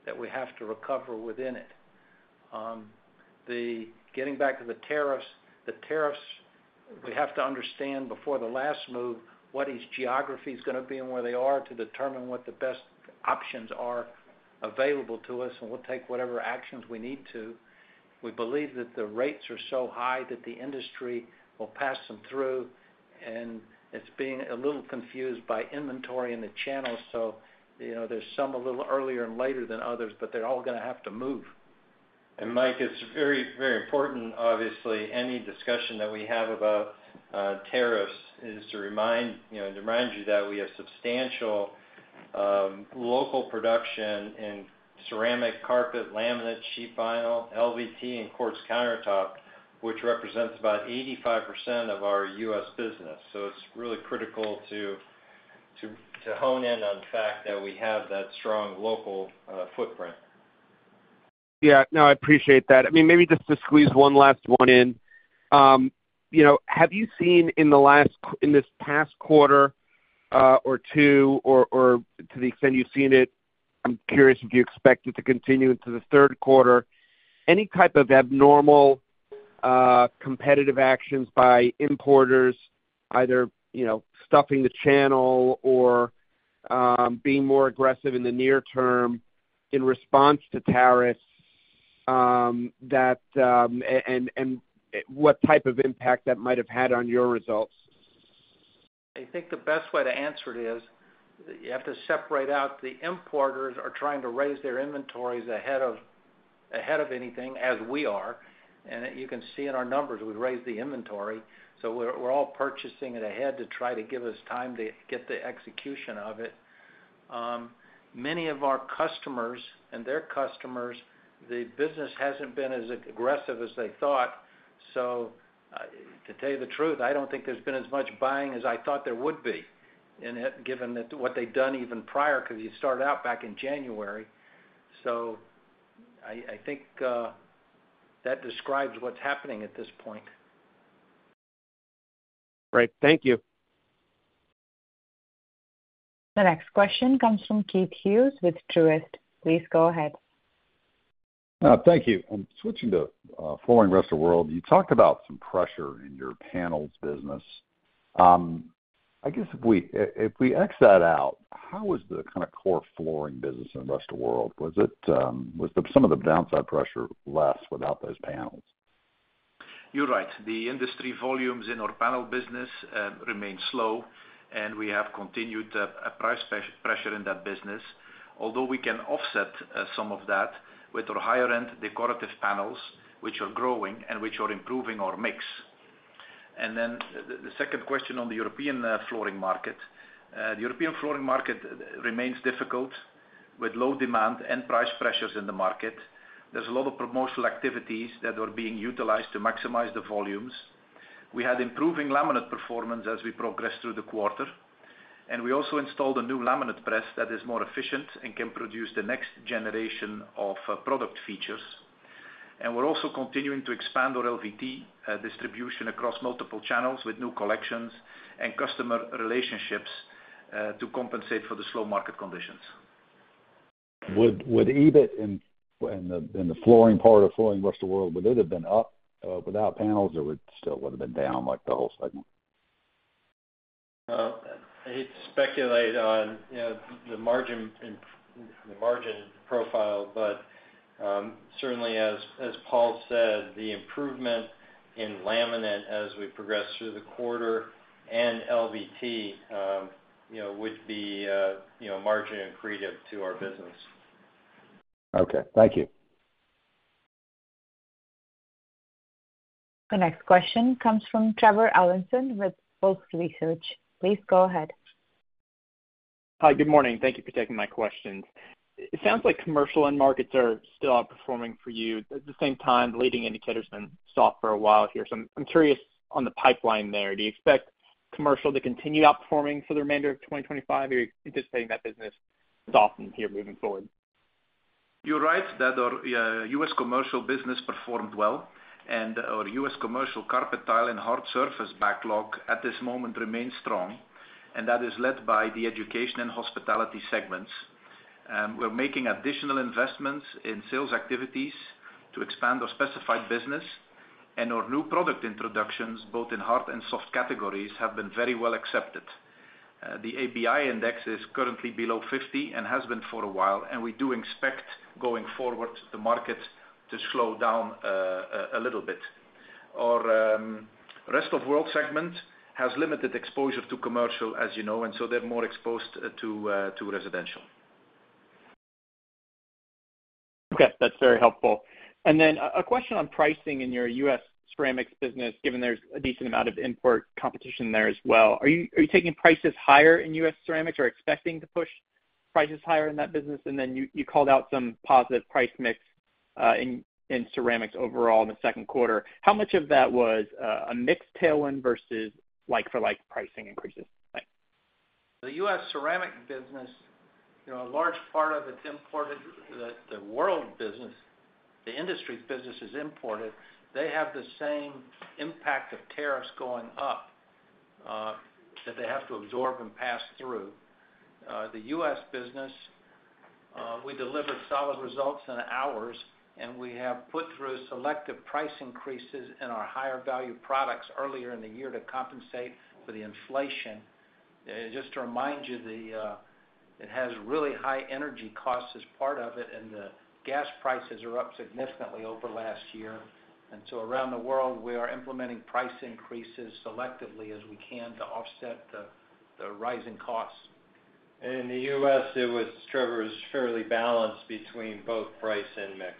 [SPEAKER 3] that we have to recover within it. Getting back to the tariffs, the tariffs we have to understand before the last move what each geography is going to be and where they are to determine what the best options are available to us and we'll take whatever actions we need to. We believe that the rates are so high that the industry will pass them through. And it's being a little confused by inventory and the channels. There's some a little earlier and later than others, but they're all going to have to move.
[SPEAKER 2] And Mike, it's very, very important obviously. Any discussion that we have about, tariffs is to remind you that we have substantial, local production in ceramic, carpet, laminate, sheet vinyl, LVT and quartz countertop, which represents about 85% of our U. S. Business. So it's really critical to hone in on the fact that we have that strong local footprint.
[SPEAKER 9] Yes. No, I appreciate that. I mean, maybe just to squeeze one last one in. Have you seen in the last in this past quarter or two or to the extent you've seen it, I'm curious if you expect it to continue into the third quarter. Any type of abnormal competitive actions by importers either stuffing the channel or being more aggressive in the near term in response to tariffs and what type of impact that might have had on your results?
[SPEAKER 3] I think the best way to answer it is you have to separate out. The importers are trying to raise their inventories ahead of anything as we are. And you can see in our numbers we raised the inventory. So we're all purchasing it ahead to try to give us time to get the execution of it. Many of our customers and their customers, the business hasn't been as aggressive as they thought. So to tell you the truth, I don't think there's been as much buying as I thought there would be given what they've done even prior because you started out back in January. So I think that describes what's happening at this point.
[SPEAKER 9] Great, thank you.
[SPEAKER 1] The next question comes from Keith Hughes with Truist. Please go ahead.
[SPEAKER 10] Thank you. Switching to following Rest of World, you talked about some pressure in your panels business. I guess if we ex that out, how was the kind of core flooring business in Rest of World? Was it was some of the downside pressure less without those panels?
[SPEAKER 4] You're right. The industry volumes in our panel business remained slow and we have continued price pressure in that business. Although we can offset some of that with our higher end decorative panels, which are growing and which are improving our mix. And then the second question on the European flooring market. The European flooring market remains difficult with low demand and price pressures in the market. There's a lot of promotional activities that are being utilized to maximize the volumes. We had improving laminate performance as we progress through the quarter and we also installed a new laminate press that is more efficient and can produce the next generation of product features. And we're also continuing to expand our LVT distribution across multiple channels with new collections and customer relationships to compensate for the slow market conditions.
[SPEAKER 10] Would EBIT in the flooring part of flooring rest of world, would it have been up without panels or would it still would have been down like the whole segment?
[SPEAKER 2] I hate to speculate on the margin profile, but certainly as Paul said, the improvement in laminate as we progress through the quarter and LVT would be margin accretive to our business.
[SPEAKER 9] Okay. Thank you.
[SPEAKER 1] The next question comes from Trevor Ellison with Wolfe Research. Please go ahead.
[SPEAKER 11] Hi, good morning. Thank you for taking my questions. It sounds like commercial end markets are still outperforming for you. At the same time, the leading indicator has been soft for a while here. So I'm curious on the pipeline there.
[SPEAKER 8] Do you expect commercial to continue outperforming for the remainder of 2025? Are you anticipating that business softened here moving forward?
[SPEAKER 4] You're right that our U. S. Commercial business performed well and our U. S. Commercial carpet tile and hard surface backlog at this moment remains strong and that is led by the education and hospitality segments. We're making additional investments in sales activities to expand our specified business and our new product introductions both in hard and soft categories have been very well accepted. The ABI index is currently below 50 and has been for a while and we do expect going forward the markets to slow down a little bit. Our Rest of World segment has limited exposure to commercial as you know and so they're more exposed to residential.
[SPEAKER 11] Okay. That's very helpful. And then a question on pricing in your U. S. Ceramics business given there's a decent amount of import competition there as well. Are you taking prices higher in U. S. Ceramics or expecting to push prices higher in that business? And then you called out some positive pricemix in ceramics overall in the second quarter. How much of that was a mix tailwind versus like for like pricing increases?
[SPEAKER 8] The
[SPEAKER 3] U. S. Ceramic business, a large part of it is imported the world business, the industry's business is imported. They have the same impact of tariffs going up that they have to absorb and pass through. The U. S. Business, we delivered solid results in hours and we have put through selective price increases in our higher value products earlier in the year to compensate for the inflation. Just to remind you, has really high energy costs as part of it and the gas prices are up significantly over last year. And so around the world we are implementing price increases selectively as we can to offset the rising costs. In The U.
[SPEAKER 2] S, it was, Trevor, it was fairly balanced between both price and mix.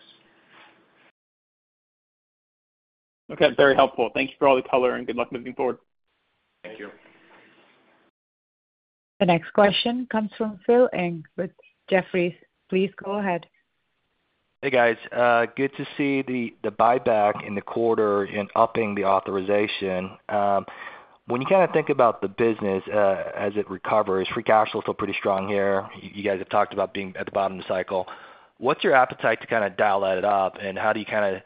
[SPEAKER 11] Okay. Very helpful. Thanks for all the color and good luck moving forward.
[SPEAKER 1] Thank you. The next question comes from Phil Ng with Jefferies. Please go ahead.
[SPEAKER 12] Hey guys. Good to see the buyback in the quarter and upping the authorization. When you kind of think about the business as it recovers, free cash flow is still pretty strong here. You guys have talked about being at the bottom of the cycle. What's your appetite to kind of dial that up? And how do you kind of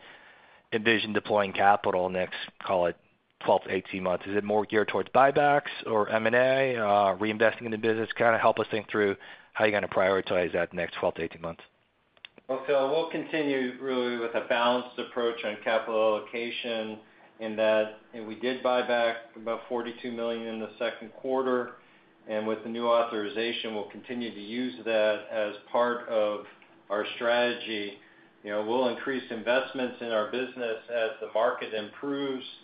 [SPEAKER 12] envision deploying capital next, call it, twelve eighteen months? Is it more geared towards buybacks or M and A, reinvesting in the business? Kind of help us think through how you're going to prioritize that next twelve to eighteen months?
[SPEAKER 2] Well, Phil, we'll continue really with a balanced approach on capital allocation in that and we did buy back about $42,000,000 in the second quarter. And with the new authorization, we'll continue to use that as part of our strategy. We'll increase investments in our business as the market improves. And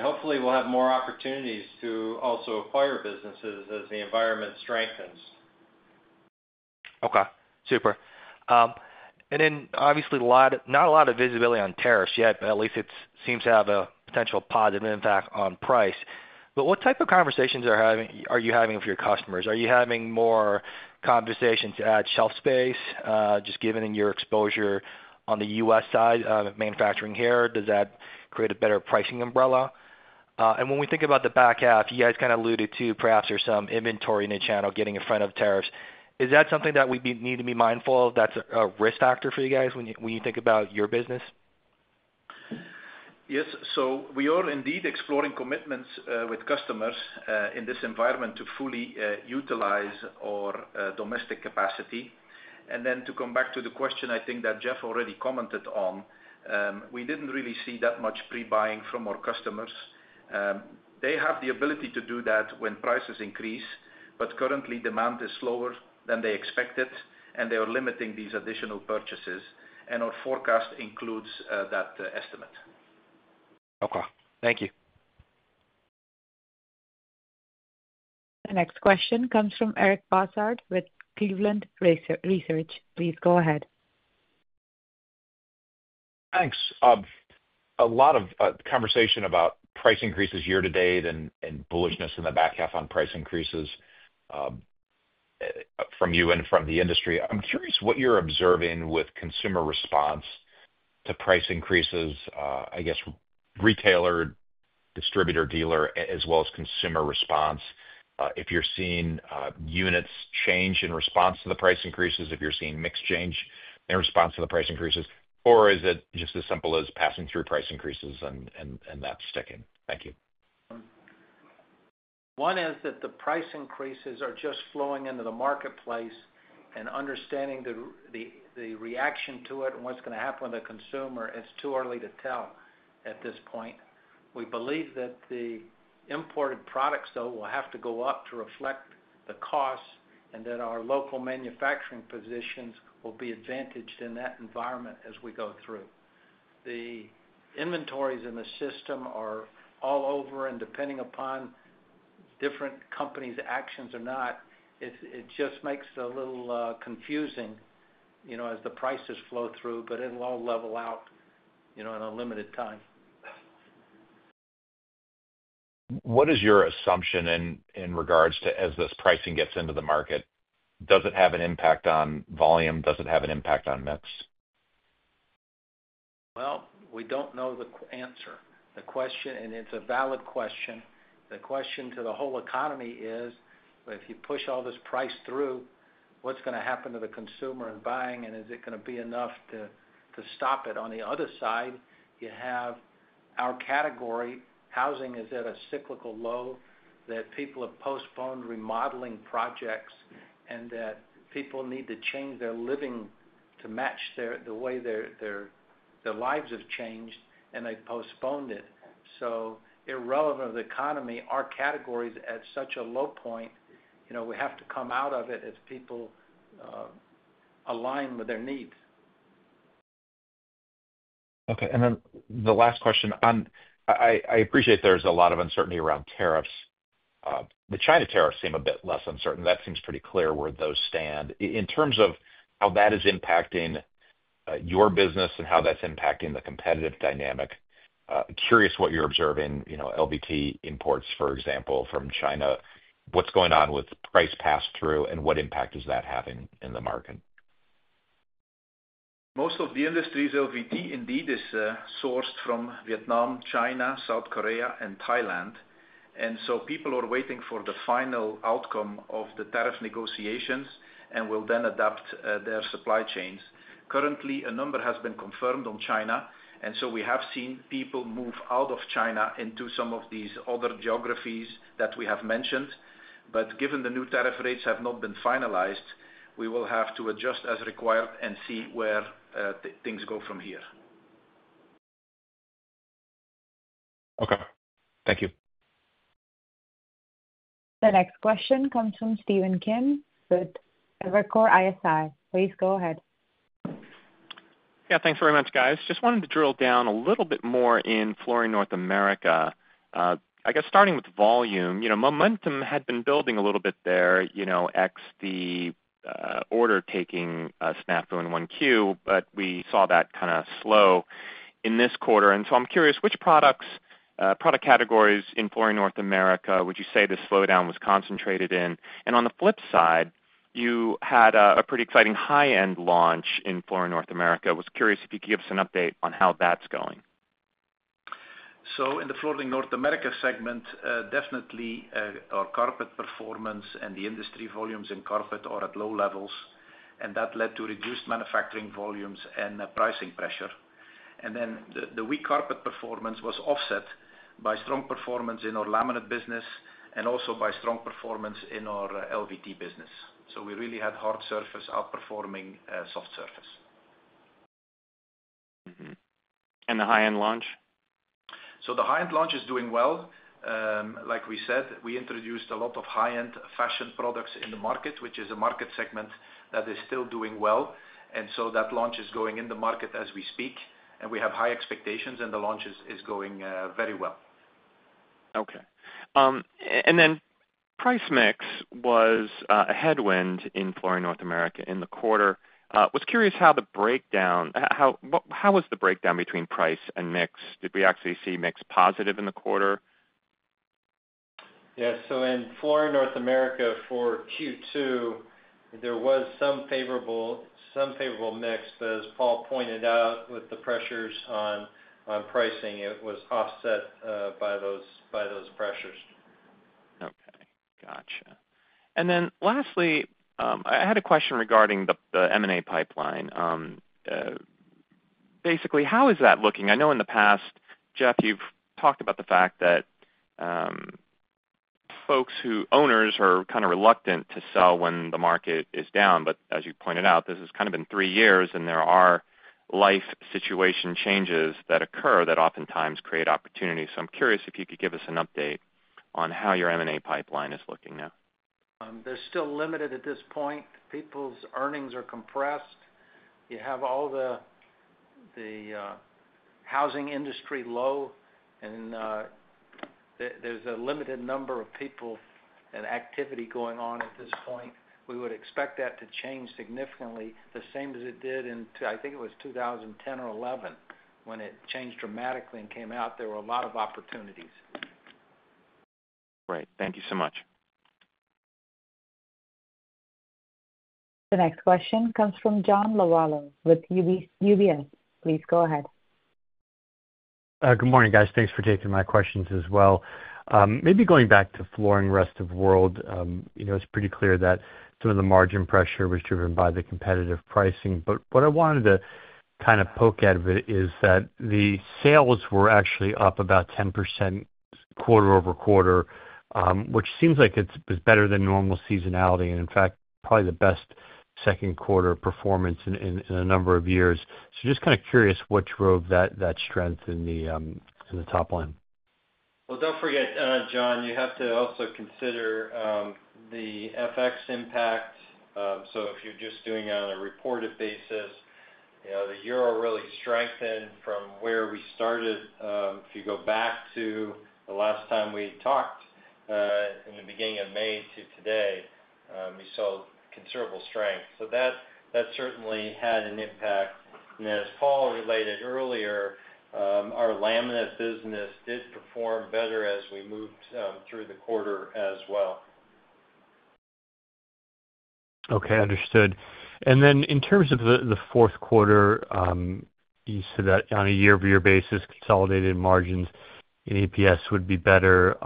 [SPEAKER 2] hopefully, we'll have more opportunities to also acquire businesses as the environment strengthens.
[SPEAKER 12] Okay, super. And then obviously, not a lot of visibility on tariffs yet, but at least it seems to have a potential positive impact on price. But what type of conversations are you having with your customers? Are you having more conversations at shelf space, just given your exposure on The U. S. Side of manufacturing here? Does that create a better pricing umbrella? And when we think about the back half, you guys kind of alluded to perhaps there's some inventory in the channel getting in front of tariffs. Is that something that we need to be mindful of that's a risk factor for you guys when you think about your business?
[SPEAKER 4] Yes. So we are indeed exploring commitments with customers in this environment to fully utilize our domestic capacity. And then to come back to the question, think that Jeff already commented on, we didn't really see that much pre buying from our customers. They have the ability to do that when prices increase, but currently demand is slower than they expected and they are limiting these additional purchases and our forecast includes that estimate.
[SPEAKER 12] Okay. Thank you.
[SPEAKER 1] The next question comes from Eric Bazard with Cleveland Research. Please go ahead.
[SPEAKER 13] Thanks. A lot of conversation about price increases year to date and bullishness in the back half on price increases from you and from the industry. I'm curious what you're observing with consumer response to price increases, I guess, retailer, distributor, dealer as well as consumer response. If you're seeing units change in response to the price increases, if you're seeing mix change in response to the price increases? Or is it just as simple as passing through price increases and that sticking? Thank you.
[SPEAKER 3] One is that the price increases are just flowing into the marketplace and understanding the reaction to it and what's going happen with the consumer, it's too early to tell at this point. We believe that the imported products though will have to go up to reflect the cost and that our local manufacturing positions will be advantaged in that environment as we go through. The inventories in the system are all over and depending upon different companies' actions or not, it just makes it a little, confusing as the prices flow through. But it will all level out in a limited time.
[SPEAKER 13] What is your assumption in regards to as this pricing gets into the market, does it have an impact on volume? Does it have an impact on mix?
[SPEAKER 3] Well, we don't know the answer. Question and it's a valid question the question to the whole economy is if you push all this price through, what's going to happen to the consumer and buying and is it going to be enough to stop it? On the other side, you have our category, housing is at a cyclical low, that people have postponed remodeling projects, and that people need to change their living to match the way their lives have changed, and they postponed it. Irrelevant of the economy, our category is at such a low point. We have to come out of it as people align with their needs.
[SPEAKER 13] Okay. And then the last question on I appreciate there's a lot of uncertainty around tariffs. The China tariffs seem a bit less uncertain. That seems pretty clear where those stand. In terms of how that is impacting your business and how that's impacting the competitive dynamic, curious what you're observing LVT imports, for example, from China. What's going on with price pass through and what impact is that having in the market?
[SPEAKER 4] Most of the industry's LVT indeed is sourced from Vietnam, China, South Korea and Thailand. And so people are waiting for the final outcome of the tariff negotiations and will then adapt their supply chains. Currently, a number has been confirmed on China and so we have seen people move out of China into some of these other geographies that we have mentioned. But given the new tariff rates have not been finalized, we will have to adjust as required and see where things go from here.
[SPEAKER 13] Okay. Thank you.
[SPEAKER 1] The next question comes from Stephen Kim with Evercore ISI. Please go ahead.
[SPEAKER 14] Yes. Thanks very much guys. Just wanted to drill down a little bit more in Fluorine North America. I guess starting with volume, momentum had been building a little bit there ex the order taking SNAP through in 1Q, but we saw that kind of slow in this quarter. And so I'm curious which products, product categories in Fluor in North America would you say the slowdown was concentrated in? And on the flip side, you had a pretty exciting high end launch in Flooring North America. I was curious if you could give us an update on how that's going?
[SPEAKER 4] So in the Flooring North America segment, definitely our carpet performance and the industry volumes in carpet are at low levels and that led to reduced manufacturing volumes and pricing pressure. And then the weak carpet performance was offset by strong performance in our laminate business and also by strong performance in our LVT business.
[SPEAKER 14] So we really had hard surface outperforming soft surface. And the high end launch?
[SPEAKER 4] So the high end launch is doing well. Like we said, we introduced a lot of high end fashion products in the market, which is a market segment that is still doing well. And so that launch is going in the market as we speak and we have high expectations and the launch is going very well.
[SPEAKER 14] Okay. And then price mix was a headwind in Fluorine North America in the quarter. I was curious how the breakdown how was the breakdown between price and mix? Did we actually see mix positive in the quarter?
[SPEAKER 2] Yes, so in Florida North America for Q2 there was some favorable mix. But as Paul pointed out with the pressures on pricing, it was offset by those pressures.
[SPEAKER 14] Okay, got you. And then lastly, I had a question regarding the M and A pipeline. Basically, how is that looking? I know in the past, Jeff, you've talked about the fact that folks who owners are kind of reluctant to sell when the market is down. But as you pointed out, this has kind of been three years and there are life situation changes that occur that oftentimes create opportunities. So I'm curious if you could give us an update on how your M and A pipeline is looking now.
[SPEAKER 3] They're still limited at this point. People's earnings are compressed. You have all the housing industry low and there's a limited number of people and activity going on at this point. We would expect that to change significantly the same as it did in I think it was 2010 or 2011 when it changed dramatically and came out, there were a lot of opportunities.
[SPEAKER 14] Great, thank you so much.
[SPEAKER 1] The next question comes from John Lovallo with UBS. Please go ahead.
[SPEAKER 15] Good morning, guys. Thanks for taking my questions as well. Maybe going back to Flooring Rest of World, it's pretty clear that some of the margin pressure was driven by the competitive pricing. But what I wanted to kind of poke at a bit is that the sales were actually up about 10% quarter over quarter, which seems like it's better than normal seasonality and in fact, probably the best second quarter performance in a number of years. So just kind of curious what drove that strength in the top line?
[SPEAKER 2] Well, don't forget, John, you have to also consider the FX impact. So if you're just doing on a reported basis, the euro really strengthened from where we started. If you go back to the last time we talked, in the May to today, we saw considerable strength. So that certainly had an impact. And as Paul related earlier, our laminate business did perform better as we moved, through the quarter as well.
[SPEAKER 15] Okay, understood. And then in terms of the fourth quarter, said that on a year over year basis, consolidated margins EPS would be better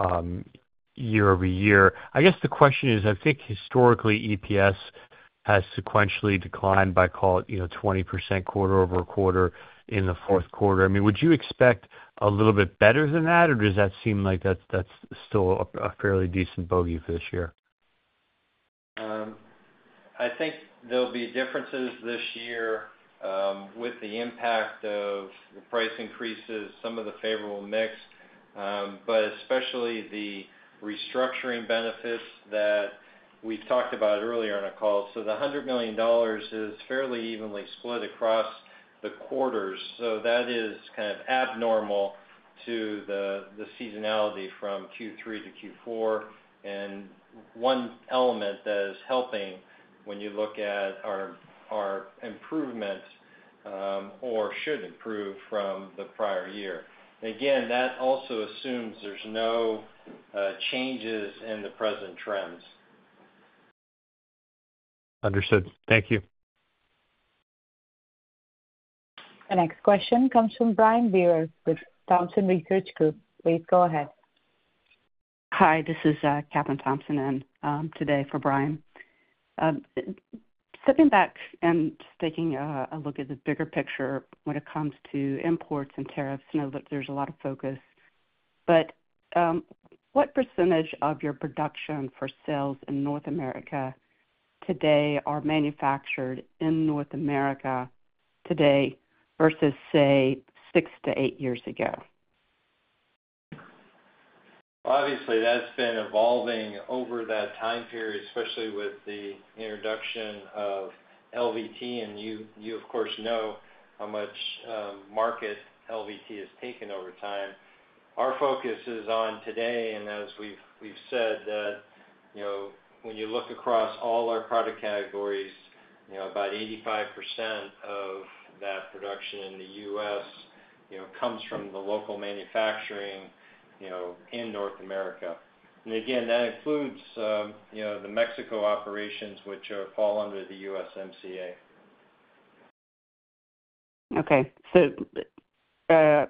[SPEAKER 15] year over year. I guess the question is, think historically EPS has sequentially declined by call it 20% quarter over quarter in the fourth quarter. I mean, you expect a little bit better than that or does that seem like that's still a fairly decent bogey for this year?
[SPEAKER 2] I think there'll be differences this year, with the impact of price increases, some of the favorable mix, but especially the restructuring benefits that we've talked about earlier on our call. So the $100,000,000 is fairly evenly split across the quarters. So that is kind of abnormal to the seasonality from Q3 to Q4. And one element that is helping when you look at our improvement, or should improve from the prior year. And again, that also assumes there's no changes in the present trends.
[SPEAKER 15] Understood. Thank you.
[SPEAKER 1] The next question comes from Brian Beers with Thompson Research Group. Please go ahead.
[SPEAKER 16] Hi, this is Catherine Thompson in today for Brian. Stepping back and taking a look at the bigger picture when it comes to imports and tariffs, I know that there's a lot of focus. But what percentage of your production for sales in North America today are manufactured in North America today versus say six to eight years ago?
[SPEAKER 2] Obviously that's been evolving over that time period, especially with the introduction of LVT. And you of course know how much, market LVT has taken over time. Our focus is on today and as we've said that when you look across all our product categories, about 85% of that production in The U. S. Comes from the local manufacturing in North America. And again, that includes the Mexico operations which fall under the USMCA.
[SPEAKER 16] Okay. So,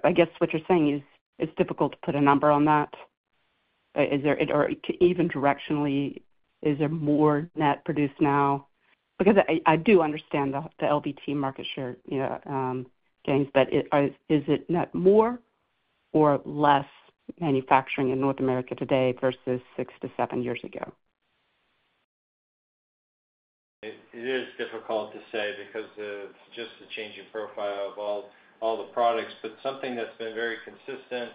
[SPEAKER 16] I guess what you're saying is it's difficult to put a number on that. Is there even directionally, is there more net produced now? Because I do understand the LVT market share gains, is it net more or less manufacturing in North America today versus six to seven years ago?
[SPEAKER 2] It is difficult to say because it's just the change in profile of all the products. But something that's been very consistent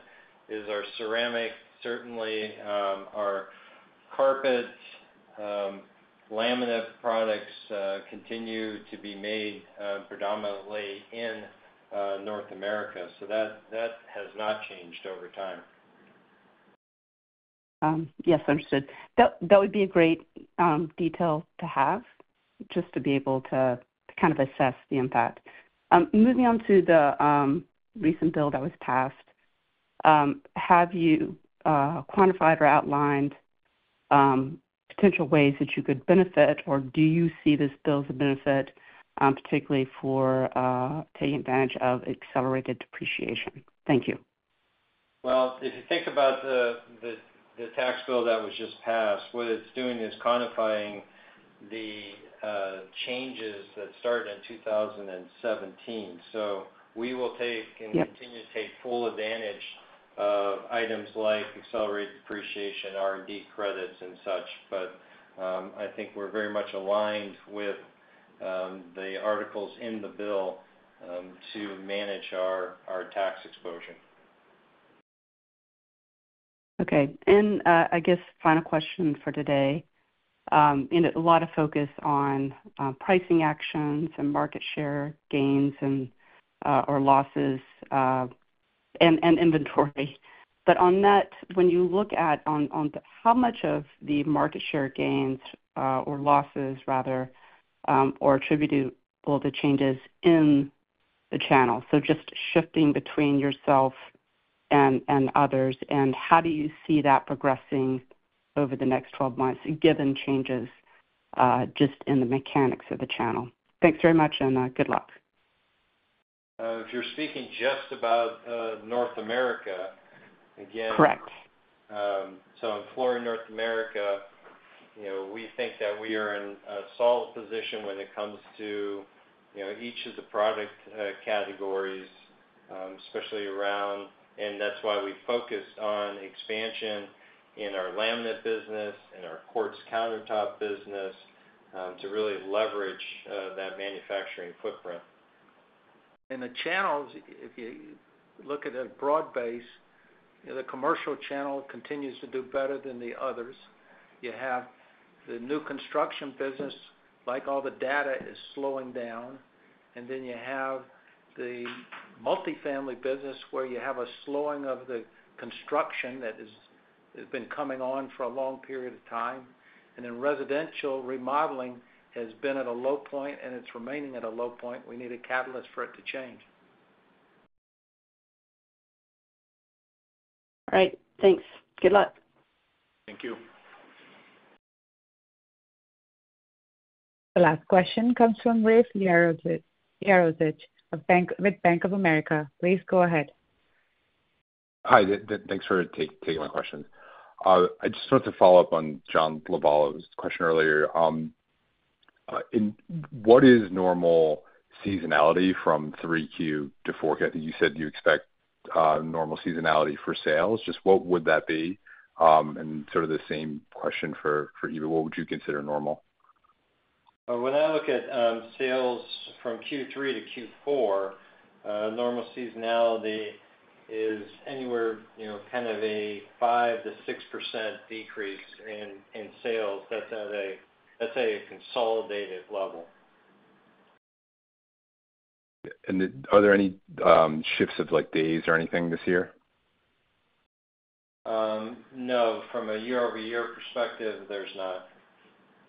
[SPEAKER 2] is our ceramic. Certainly, our carpet, laminate products continue to be made predominantly in North America. So that has not changed over time.
[SPEAKER 16] Yes, understood. That would be a great detail to have, just to be able to kind of assess the impact. Moving on to the recent bill that was passed. Have you quantified or outlined potential ways that you could benefit or do you see this bill as a benefit, particularly for, taking advantage of accelerated depreciation? Thank you.
[SPEAKER 2] Well, if you think about the tax bill that was just passed, what it's doing is quantifying the, changes that started in 2017. We will take and continue to take full advantage of items like accelerated depreciation, R and D credits and such. But, I think we're very much aligned with, the articles in the bill, to manage our tax exposure.
[SPEAKER 16] Okay, and I guess final question for today. A lot of focus on pricing actions and market share gains or losses and inventory. But on that, when you look at on how much of the market share gains or losses rather, or attributed all the changes in the channel. So just shifting between yourself and others. And how do you see that progressing over the next twelve months, given changes, just in the mechanics of the channel? Thanks very much and good luck.
[SPEAKER 2] If you're speaking just about, North America, again
[SPEAKER 16] Correct.
[SPEAKER 2] So in Florida North America, you know, we think that we are in a solid position when it comes each of the product categories, especially around and that's why we focused on expansion in our laminate business, in our quartz countertop business to really leverage that manufacturing footprint.
[SPEAKER 3] And the channels, if you look at it broad based, the commercial channel continues to do better than the others. You have the new construction business, like all the data, is slowing down. And then you have the multi family business where you have a slowing of the construction that has been coming on for a long period of time. And then residential remodeling has been at a low point, and it's remaining at a low point. We need a catalyst for it to change.
[SPEAKER 16] All right. Thanks. Good luck.
[SPEAKER 8] Thank you.
[SPEAKER 1] The last question comes from Ralph Jaroszich with Bank of America. Please go ahead.
[SPEAKER 17] Hi, thanks for taking my questions. I just want to follow-up on John Lovallo's question earlier. What is normal seasonality from 3Q to 4Q? I think you said you expect normal seasonality for sales. Just what would that be? And sort of the same question for Eva, what would you consider normal?
[SPEAKER 2] When I look at sales from Q3 to Q4, normal seasonality is anywhere kind of a 5% to 6% decrease in sales. That's at consolidated level.
[SPEAKER 17] And are there any shifts of like days or anything this year?
[SPEAKER 2] No. From a year over year perspective, there's not.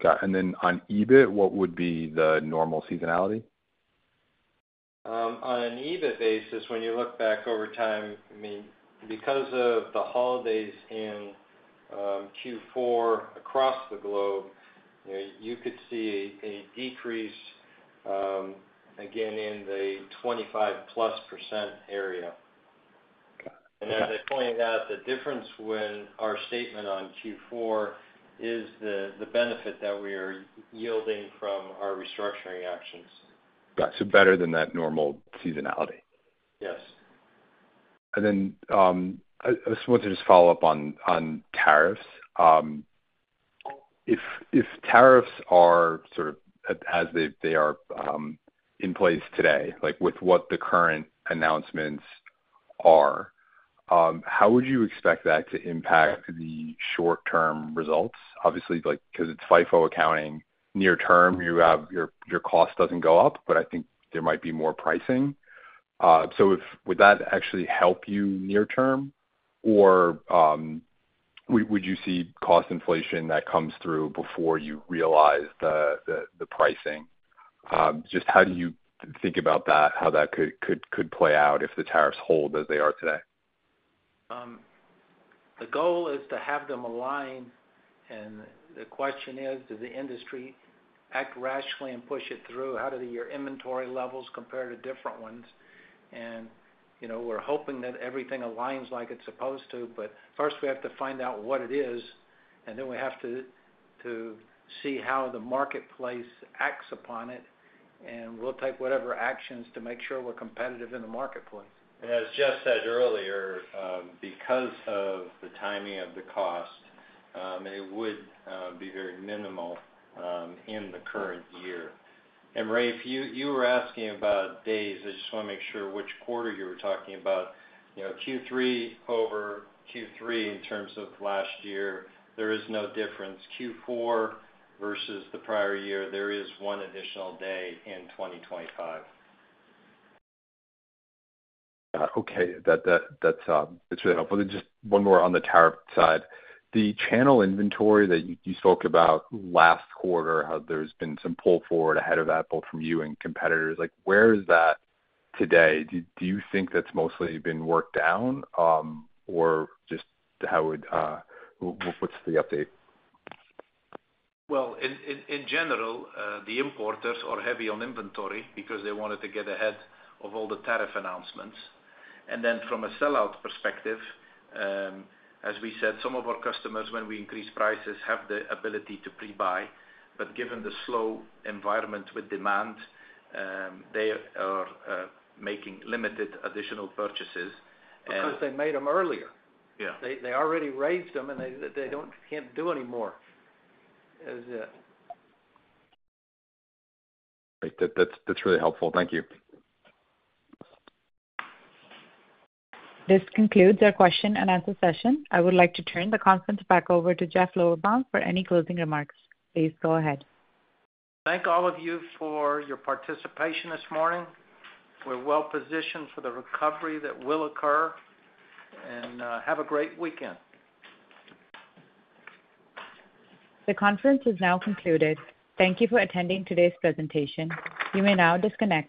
[SPEAKER 17] Got it. And then on EBIT, what would be the normal seasonality?
[SPEAKER 2] On an EBIT basis, when you look back over time, I mean, because of the holidays in Q4 across the globe, you could see a decrease again in the twenty five plus percent area.
[SPEAKER 5] And as
[SPEAKER 2] I pointed out, the difference when our statement on Q4 is the benefit that we are yielding from our restructuring actions.
[SPEAKER 17] Got you. So better than that normal seasonality? Yes. And then I just wanted to just follow-up on tariffs. If tariffs are sort of as they are in place today, like with what the current announcements are, how would you expect that to impact the short term results? Obviously, like because it's FIFO accounting near term, you have your cost doesn't go up, but I think there might be more pricing. So would that actually help you near term? Or would you see cost inflation that comes through before you realize the pricing? Just how do you think about that, how that could play out if the tariffs hold as they are today?
[SPEAKER 3] The goal is to have them align. And the question is, does the industry act rationally and push it through? How do your inventory levels compare to different ones? And we're hoping that everything aligns like it's supposed to. But first we have to find out what it is, and then we have to see how the marketplace acts upon it and we'll take whatever actions to make sure we're competitive in the marketplace.
[SPEAKER 2] And as Jeff said earlier, because of the timing of the cost, And it would be very minimal in the current year. And Rafe, were asking about days. I just want to make sure which quarter you were talking about. Q3 over Q3 in terms of last year, there is no difference. Q4 versus the prior year, there is one additional day in 2025.
[SPEAKER 17] Okay. That's, it's really helpful. And then just one more on the tariff side. The channel inventory that you spoke about last quarter, how there's been some pull forward ahead of that both from you and competitors, like where is that today? Do you think that's mostly been worked down? Or just how would what's the update?
[SPEAKER 4] Well, in general, the importers are heavy on inventory because they wanted to get ahead of all the tariff announcements. And then from a sellout perspective, as we said, some of our customers when we increase prices have the ability to pre buy. But given the slow environment with demand, they are making limited additional purchases.
[SPEAKER 3] Because they made them earlier. They already raised them and they can't do anymore.
[SPEAKER 2] Really helpful. Thank you.
[SPEAKER 1] This concludes our question and answer session. I would like to turn the conference back over to Jeff Lowerbaum for any closing remarks. Please go ahead.
[SPEAKER 3] Thank all of you for your participation this morning. We're well positioned for the recovery that will occur. And, have a great weekend.
[SPEAKER 1] The conference has now concluded. Thank you for attending today's presentation. You may now disconnect.